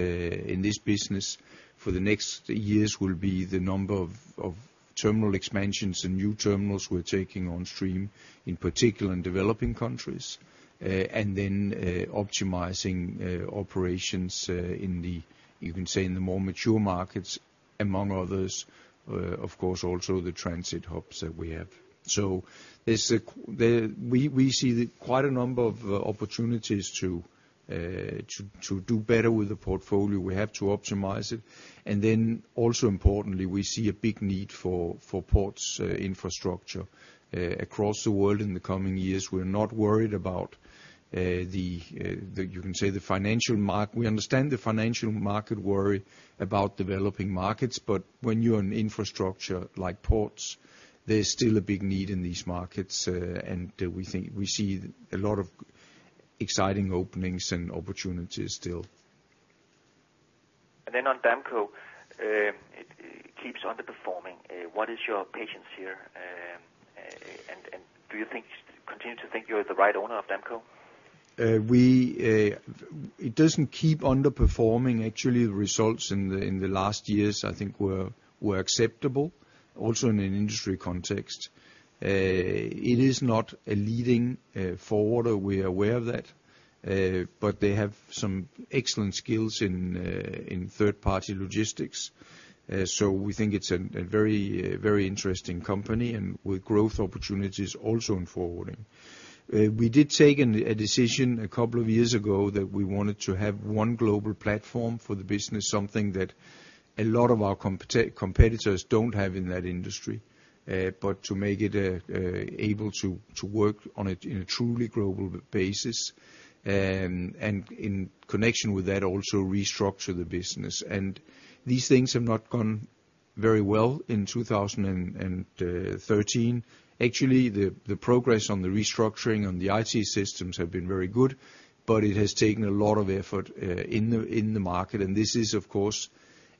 business for the next years will be the number of terminal expansions and new terminals we're taking on stream, in particular in developing countries. Optimizing operations in the, you can say, in the more mature markets, among others, of course, also the transit hubs that we have. We see quite a number of opportunities to do better with the portfolio. We have to optimize it. Also importantly, we see a big need for ports infrastructure across the world in the coming years. We're not worried about, you can say, the financial market. We understand the financial market worry about developing markets, but when you're an infrastructure like ports, there's still a big need in these markets. We think we see a lot of exciting openings and opportunities still. On Damco, it keeps underperforming. What is your patience here? Do you continue to think you're the right owner of Damco? It doesn't keep underperforming. Actually, the results in the last years, I think were acceptable also in an industry context. It is not a leading forwarder. We are aware of that. They have some excellent skills in third party logistics. We think it's a very interesting company and with growth opportunities also in forwarding. We did take a decision a couple of years ago that we wanted to have one global platform for the business, something that a lot of our competitors don't have in that industry. To make it able to work on a truly global basis, and in connection with that, also restructure the business. These things have not gone very well in 2013. Actually, the progress on the restructuring on the IT systems have been very good, but it has taken a lot of effort in the market. This is of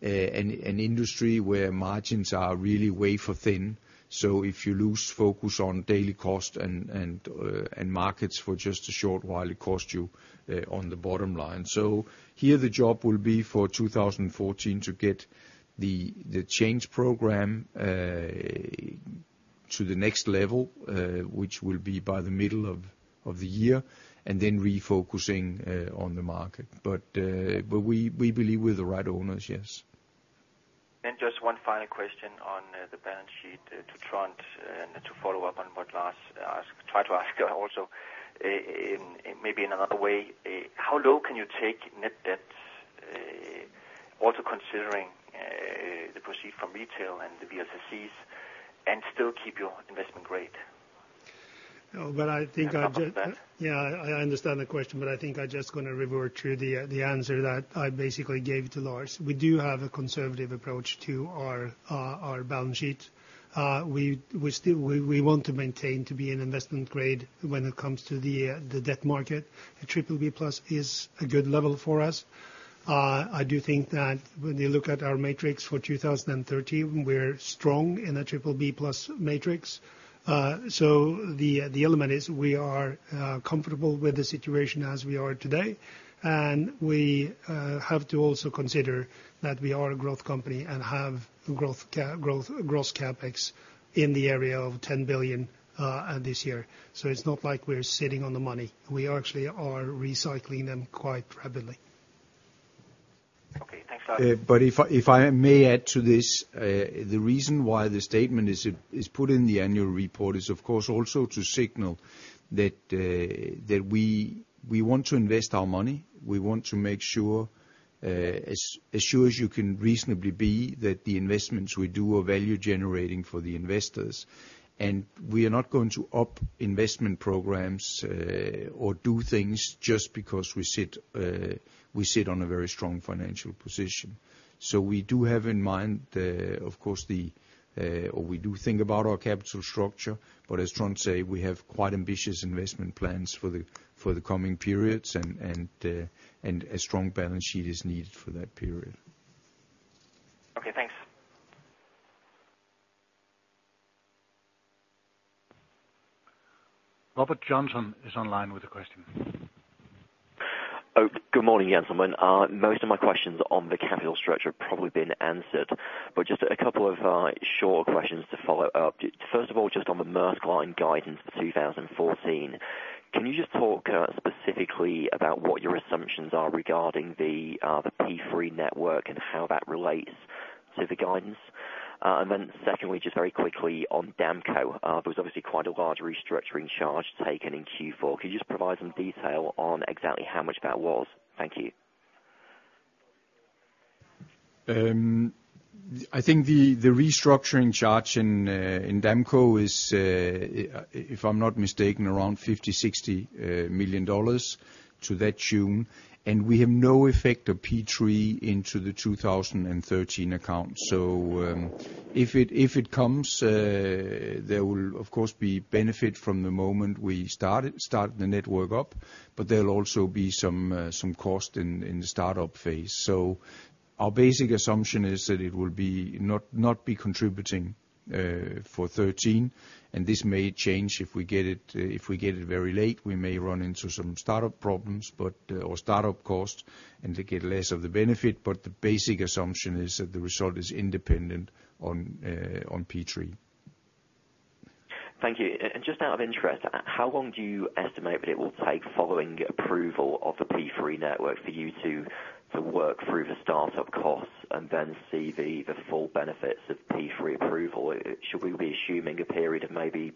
course an industry where margins are really wafer thin. If you lose focus on daily cost and markets for just a short while, it costs you on the bottom line. Here the job will be for 2014 to get the change program to the next level, which will be by the middle of the year, and then refocusing on the market. But we believe we're the right owners, yes. Just one final question on the balance sheet to Trond to follow up on what Lars asked. Try to ask also in maybe in another way. How low can you take net debt also considering the proceeds from retail and the VLCCs and still keep your investment grade? Oh, but I think I ju- On top of that. Yeah, I understand the question, but I think I'm just gonna revert to the answer that I basically gave to Lars. We do have a conservative approach to our balance sheet. We still want to maintain to be an investment grade when it comes to the debt market. A triple B plus is a good level for us. I do think that when you look at our matrix for 2013, we're strong in a triple B plus matrix. The element is we are comfortable with the situation as we are today, and we have to also consider that we are a growth company and have growth CapEx in the area of $10 billion this year. It's not like we're sitting on the money. We actually are recycling them quite rapidly. If I may add to this, the reason why the statement is put in the annual report is of course also to signal that we want to invest our money. We want to make sure as sure as you can reasonably be that the investments we do are value-generating for the investors. We are not going to up investment programs or do things just because we sit on a very strong financial position. We do have in mind, of course, we do think about our capital structure, but as Trond say, we have quite ambitious investment plans for the coming periods and a strong balance sheet is needed for that period. Okay, thanks. Robert Johnson is online with a question. Oh, good morning, gentlemen. Most of my questions on the capital structure have probably been answered, but just a couple of short questions to follow up. First of all, just on the Maersk Line guidance for 2014. Can you just talk specifically about what your assumptions are regarding the P3 network and how that relates to the guidance? And then secondly, just very quickly on Damco. There was obviously quite a large restructuring charge taken in Q4. Could you just provide some detail on exactly how much that was? Thank you. I think the restructuring charge in Damco is, if I'm not mistaken, around $50-$60 million to that tune, and we have no effect of P3 into the 2013 accounts. If it comes, there will of course be benefit from the moment we start the network up, but there'll also be some cost in the startup phase. Our basic assumption is that it will not be contributing for 2013, and this may change if we get it very late, we may run into some startup problems, or startup costs and get less of the benefit, but the basic assumption is that the result is independent on P3. Thank you. Just out of interest, how long do you estimate that it will take following approval of the P3 network for you to work through the startup costs and then see the full benefits of P3 approval? Should we be assuming a period of maybe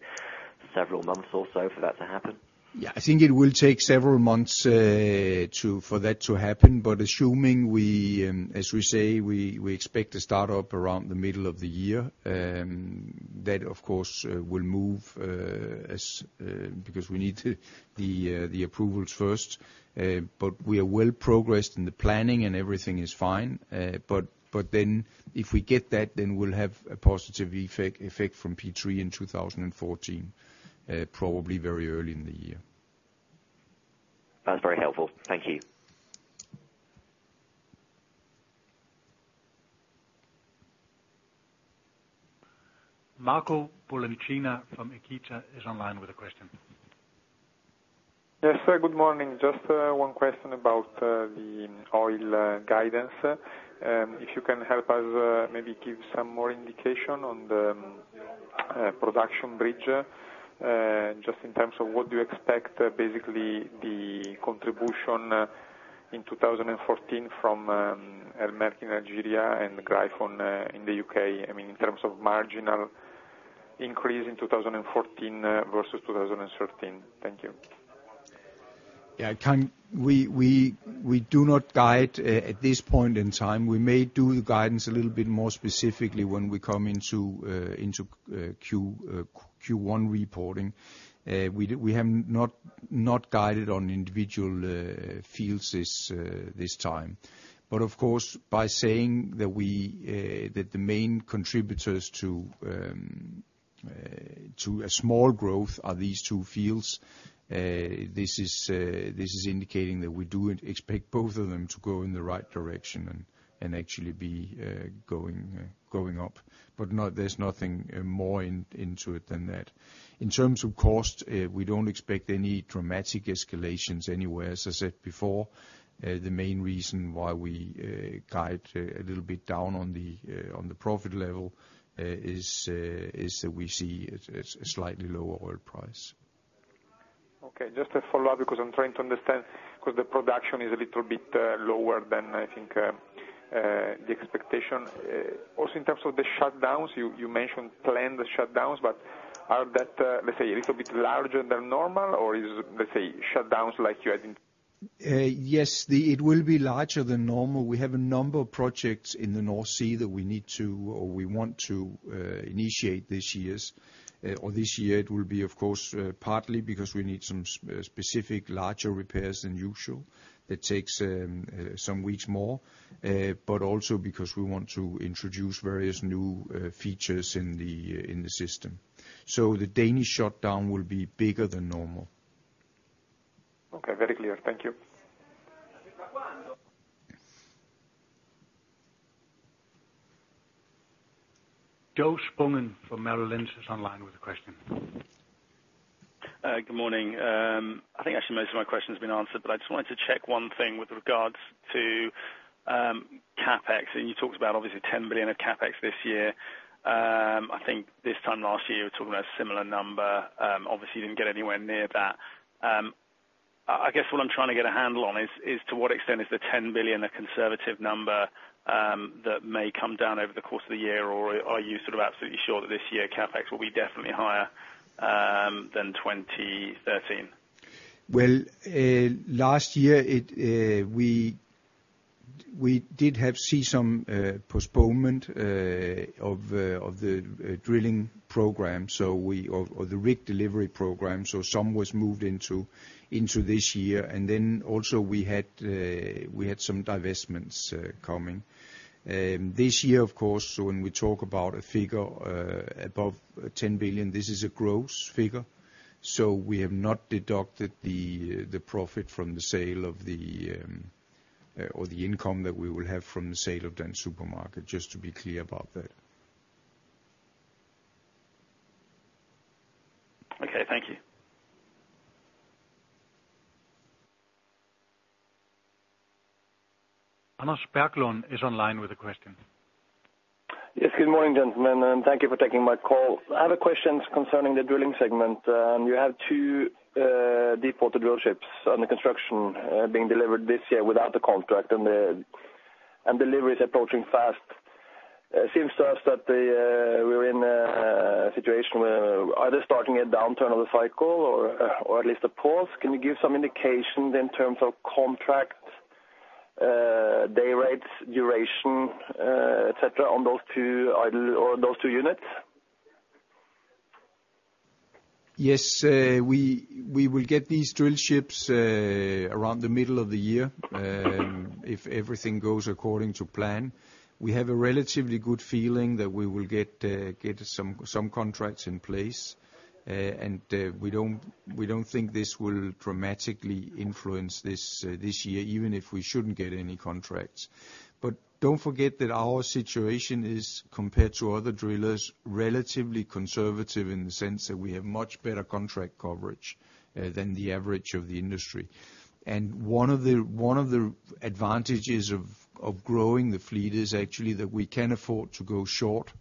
several months or so for that to happen? Yeah. I think it will take several months for that to happen, but assuming we, as we say, we expect to start up around the middle of the year, that of course will move because we need the approvals first. We are well progressed in the planning, and everything is fine. If we get that, then we'll have a positive effect from P3 in 2014, probably very early in the year. That's very helpful. Thank you. Marco Limite from Equita is online with a question. Yes. Good morning. Just one question about the oil guidance. If you can help us, maybe give some more indication on the production bridge, just in terms of what do you expect, basically, the contribution in 2014 from El Merk in Algeria and Gryphon in the UK. I mean, in terms of marginal increase in 2014 versus 2013. Thank you. We do not guide at this point in time. We may do the guidance a little bit more specifically when we come into Q1 reporting. We have not guided on individual fields this time. Of course, by saying that the main contributors to a small growth are these two fields, this is indicating that we do expect both of them to go in the right direction and actually be going up. No, there's nothing more into it than that. In terms of cost, we don't expect any dramatic escalations anywhere. As I said before, the main reason why we guide a little bit down on the profit level is that we see a slightly lower oil price. Okay. Just to follow up, because I'm trying to understand, because the production is a little bit lower than I think the expectation. Also in terms of the shutdowns, you mentioned planned shutdowns, but are that let's say a little bit larger than normal, or is, let's say, shutdowns like you had in- Yes, it will be larger than normal. We have a number of projects in the North Sea that we need to, or we want to, initiate this year. It will be of course, partly because we need some specific larger repairs than usual that takes some weeks more, but also because we want to introduce various new features in the system. The Danish shutdown will be bigger than normal. Okay. Very clear. Thank you. Yes. Joshua Spungen from Merrill Lynch is online with a question. Good morning. I think actually most of my question's been answered, but I just wanted to check one thing with regards to CapEx. You talked about obviously $10 billion of CapEx this year. I think this time last year, you were talking about a similar number. Obviously you didn't get anywhere near that. I guess what I'm trying to get a handle on is to what extent is the $10 billion a conservative number that may come down over the course of the year? Or are you sort of absolutely sure that this year CapEx will be definitely higher than 2013? Well, last year, we did have to see some postponement of the drilling program or the rig delivery program. Some was moved into this year. We also had some divestments coming. This year, of course, when we talk about a figure above $10 billion, this is a gross figure. We have not deducted the profit from the sale or the income that we will have from the sale of Dansk Supermarked, just to be clear about that. Okay, thank you. Anders Bergland is online with a question. Yes. Good morning, gentlemen, and thank you for taking my call. I have a questions concerning the drilling segment. You have two deepwater drill ships under construction, being delivered this year without the contract and delivery is approaching fast. It seems to us that we're in a situation where either starting a downturn of the cycle or at least a pause. Can you give some indication in terms of contracts, day rates, duration, et cetera, on those two units? Yes. We will get these drill ships around the middle of the year, if everything goes according to plan. We have a relatively good feeling that we will get some contracts in place. We don't think this will dramatically influence this year, even if we shouldn't get any contracts. Don't forget that our situation is, compared to other drillers, relatively conservative in the sense that we have much better contract coverage than the average of the industry. One of the advantages of growing the fleet is actually that we can afford to go short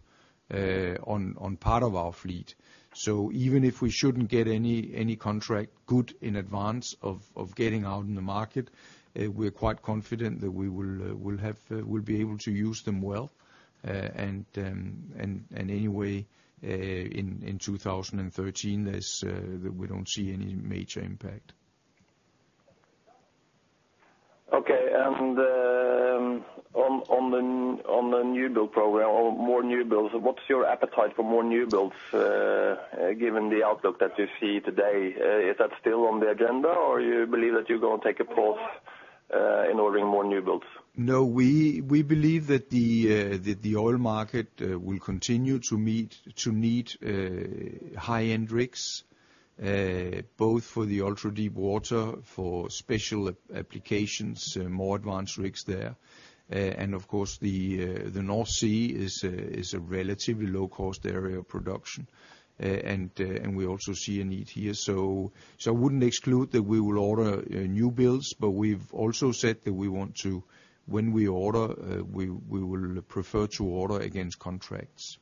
on part of our fleet. Even if we shouldn't get any contract good in advance of getting out in the market, we're quite confident that we will be able to use them well. Anyway, in 2013, we don't see any major impact. Okay. On the new build program or more new builds, what's your appetite for more new builds, given the outlook that you see today? Is that still on the agenda, or you believe that you're gonna take a pause, in ordering more new builds? No. We believe that the oil market will continue to need high-end rigs both for the ultra-deep water, for special applications, more advanced rigs there. Of course the North Sea is a relatively low-cost area of production. We also see a need here. I wouldn't exclude that we will order new builds, but we've also said that we want to. When we order, we will prefer to order against contracts.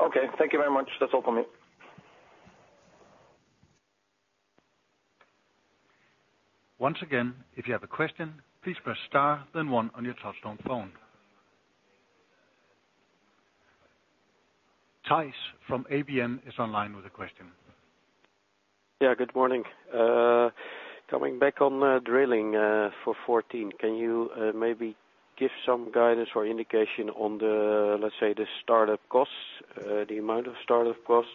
Okay. Thank you very much. That's all for me. Once again, if you have a question, please press star then one on your touchtone phone. Thijs from ABN is online with a question. Yeah. Good morning. Coming back on drilling for 2014, can you maybe give some guidance or indication on the, let's say, the startup costs, the amount of startup costs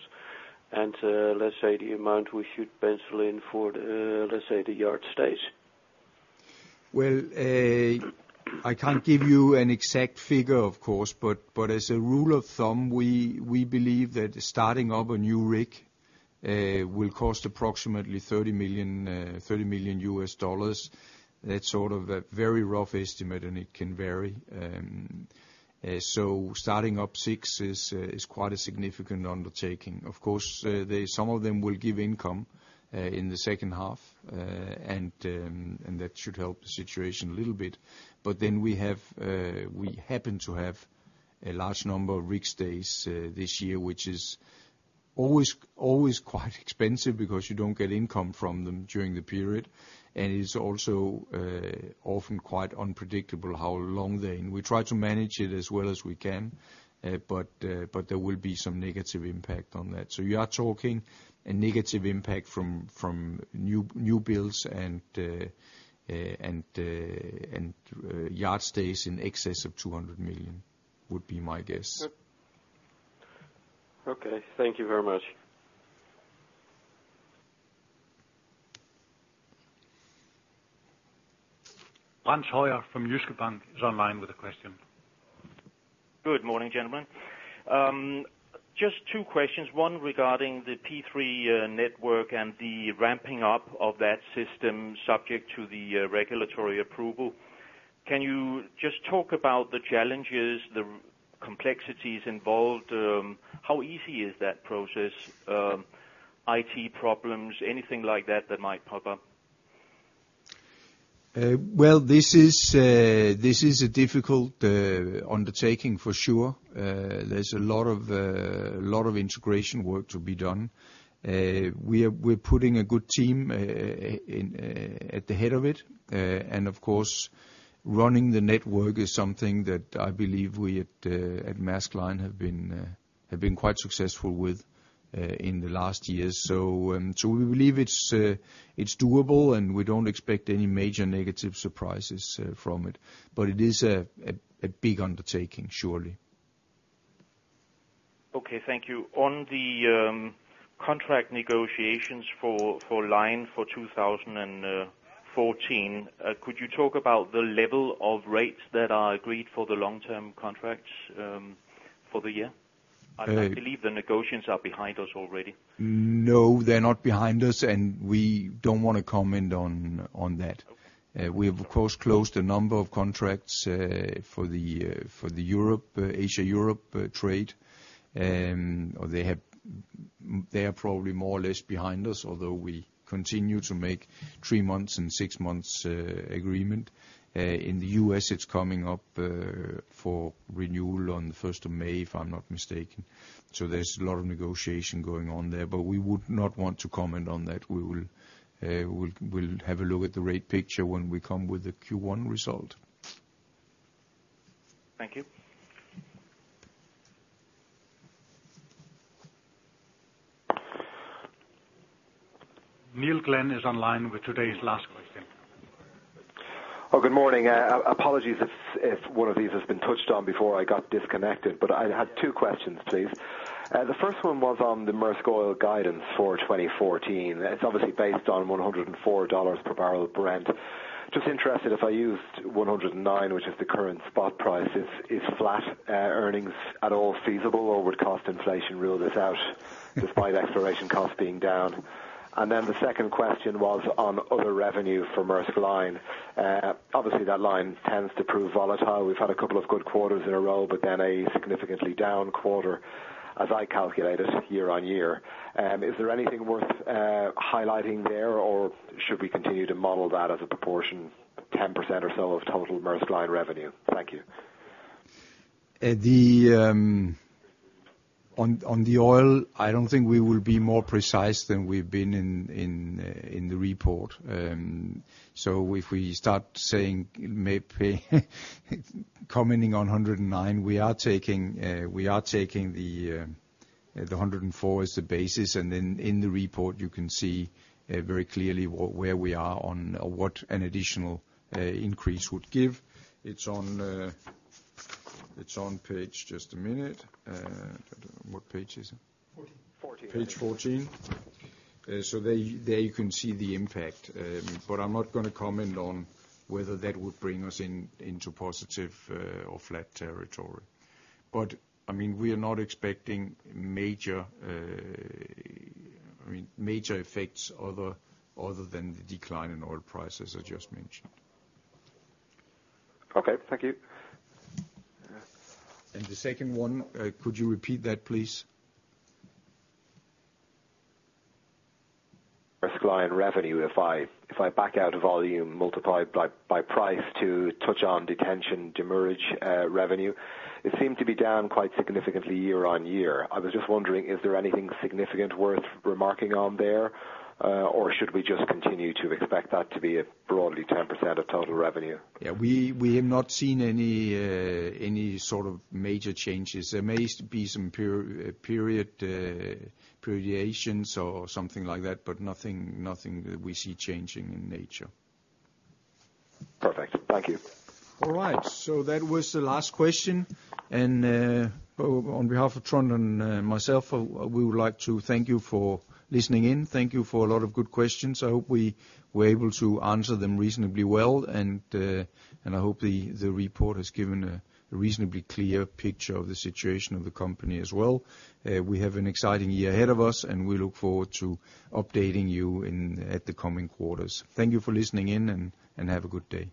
and, let's say, the amount we should pencil in for the, let's say, the yard stays? Well, I can't give you an exact figure, of course, but as a rule of thumb, we believe that starting up a new rig will cost approximately $30 million. That's sort of a very rough estimate, and it can vary. Starting up six is quite a significant undertaking. Of course, then some of them will give income in the second half. That should help the situation a little bit. We happen to have a large number of rig stacks this year, which is always quite expensive because you don't get income from them during the period. It is also often quite unpredictable how long they. We try to manage it as well as we can, but there will be some negative impact on that. You are talking a negative impact from new builds and yard stays in excess of $200 million, would be my guess. Okay. Thank you very much. Frans Høyer from Jyske Bank is online with a question. Good morning, gentlemen. Just two questions, one regarding the P3 network and the ramping up of that system subject to the regulatory approval. Can you just talk about the challenges, the complexities involved? How easy is that process? IT problems, anything like that might pop up? Well, this is a difficult undertaking for sure. There's a lot of integration work to be done. We're putting a good team in at the head of it. Of course, running the network is something that I believe we at Maersk Line have been quite successful with in the last years. We believe it's doable, and we don't expect any major negative surprises from it. It is a big undertaking, surely. Okay, thank you. On the contract negotiations for Maersk Line for 2014, could you talk about the level of rates that are agreed for the long-term contracts for the year? Uh- I believe the negotiations are behind us already. No, they're not behind us, and we don't wanna comment on that. Okay. We have, of course, closed a number of contracts for the Europe-Asia-Europe trade. They are probably more or less behind us, although we continue to make three-month and six-month agreements. In the US, it's coming up for renewal on the first of May, if I'm not mistaken. There's a lot of negotiation going on there, but we would not want to comment on that. We'll have a look at the rate picture when we come with the Q1 result. Thank you. Neil Glynn is online with today's last question. Good morning. Apologies if one of these has been touched on before I got disconnected, but I had two questions, please. The first one was on the Maersk Oil guidance for 2014. It's obviously based on $104 per barrel Brent. Just interested, if I used 109, which is the current spot price, is flat earnings at all feasible, or would cost inflation rule this out despite exploration costs being down? The second question was on other revenue for Maersk Line. Obviously, that line tends to prove volatile. We've had a couple of good quarters in a row, but then a significantly down quarter as I calculated year-on-year. Is there anything worth highlighting there, or should we continue to model that as a proportion, 10% or so of total Maersk Line revenue? Thank you. On the oil, I don't think we will be more precise than we've been in the report. If we start saying maybe commenting on $109, we are taking the $104 as the basis. In the report, you can see very clearly where we are on or what an additional increase would give. It's on page. Just a minute. What page is it? Fourteen. Fourteen. Page 14. There you can see the impact. I'm not gonna comment on whether that would bring us into positive or flat territory. I mean, we are not expecting major effects other than the decline in oil prices I just mentioned. Okay. Thank you. The second one, could you repeat that, please? Maersk Line revenue. If I back out volume multiplied by price to touch on detention demurrage revenue, it seemed to be down quite significantly year-on-year. I was just wondering, is there anything significant worth remarking on there, or should we just continue to expect that to be a broadly 10% of total revenue? Yeah. We have not seen any sort of major changes. There may be some prior period variations or something like that, but nothing that we see changing in nature. Perfect. Thank you. All right. That was the last question. On behalf of Trond and myself, we would like to thank you for listening in. Thank you for a lot of good questions. I hope we were able to answer them reasonably well. I hope the report has given a reasonably clear picture of the situation of the company as well. We have an exciting year ahead of us, and we look forward to updating you in the coming quarters. Thank you for listening in and have a good day.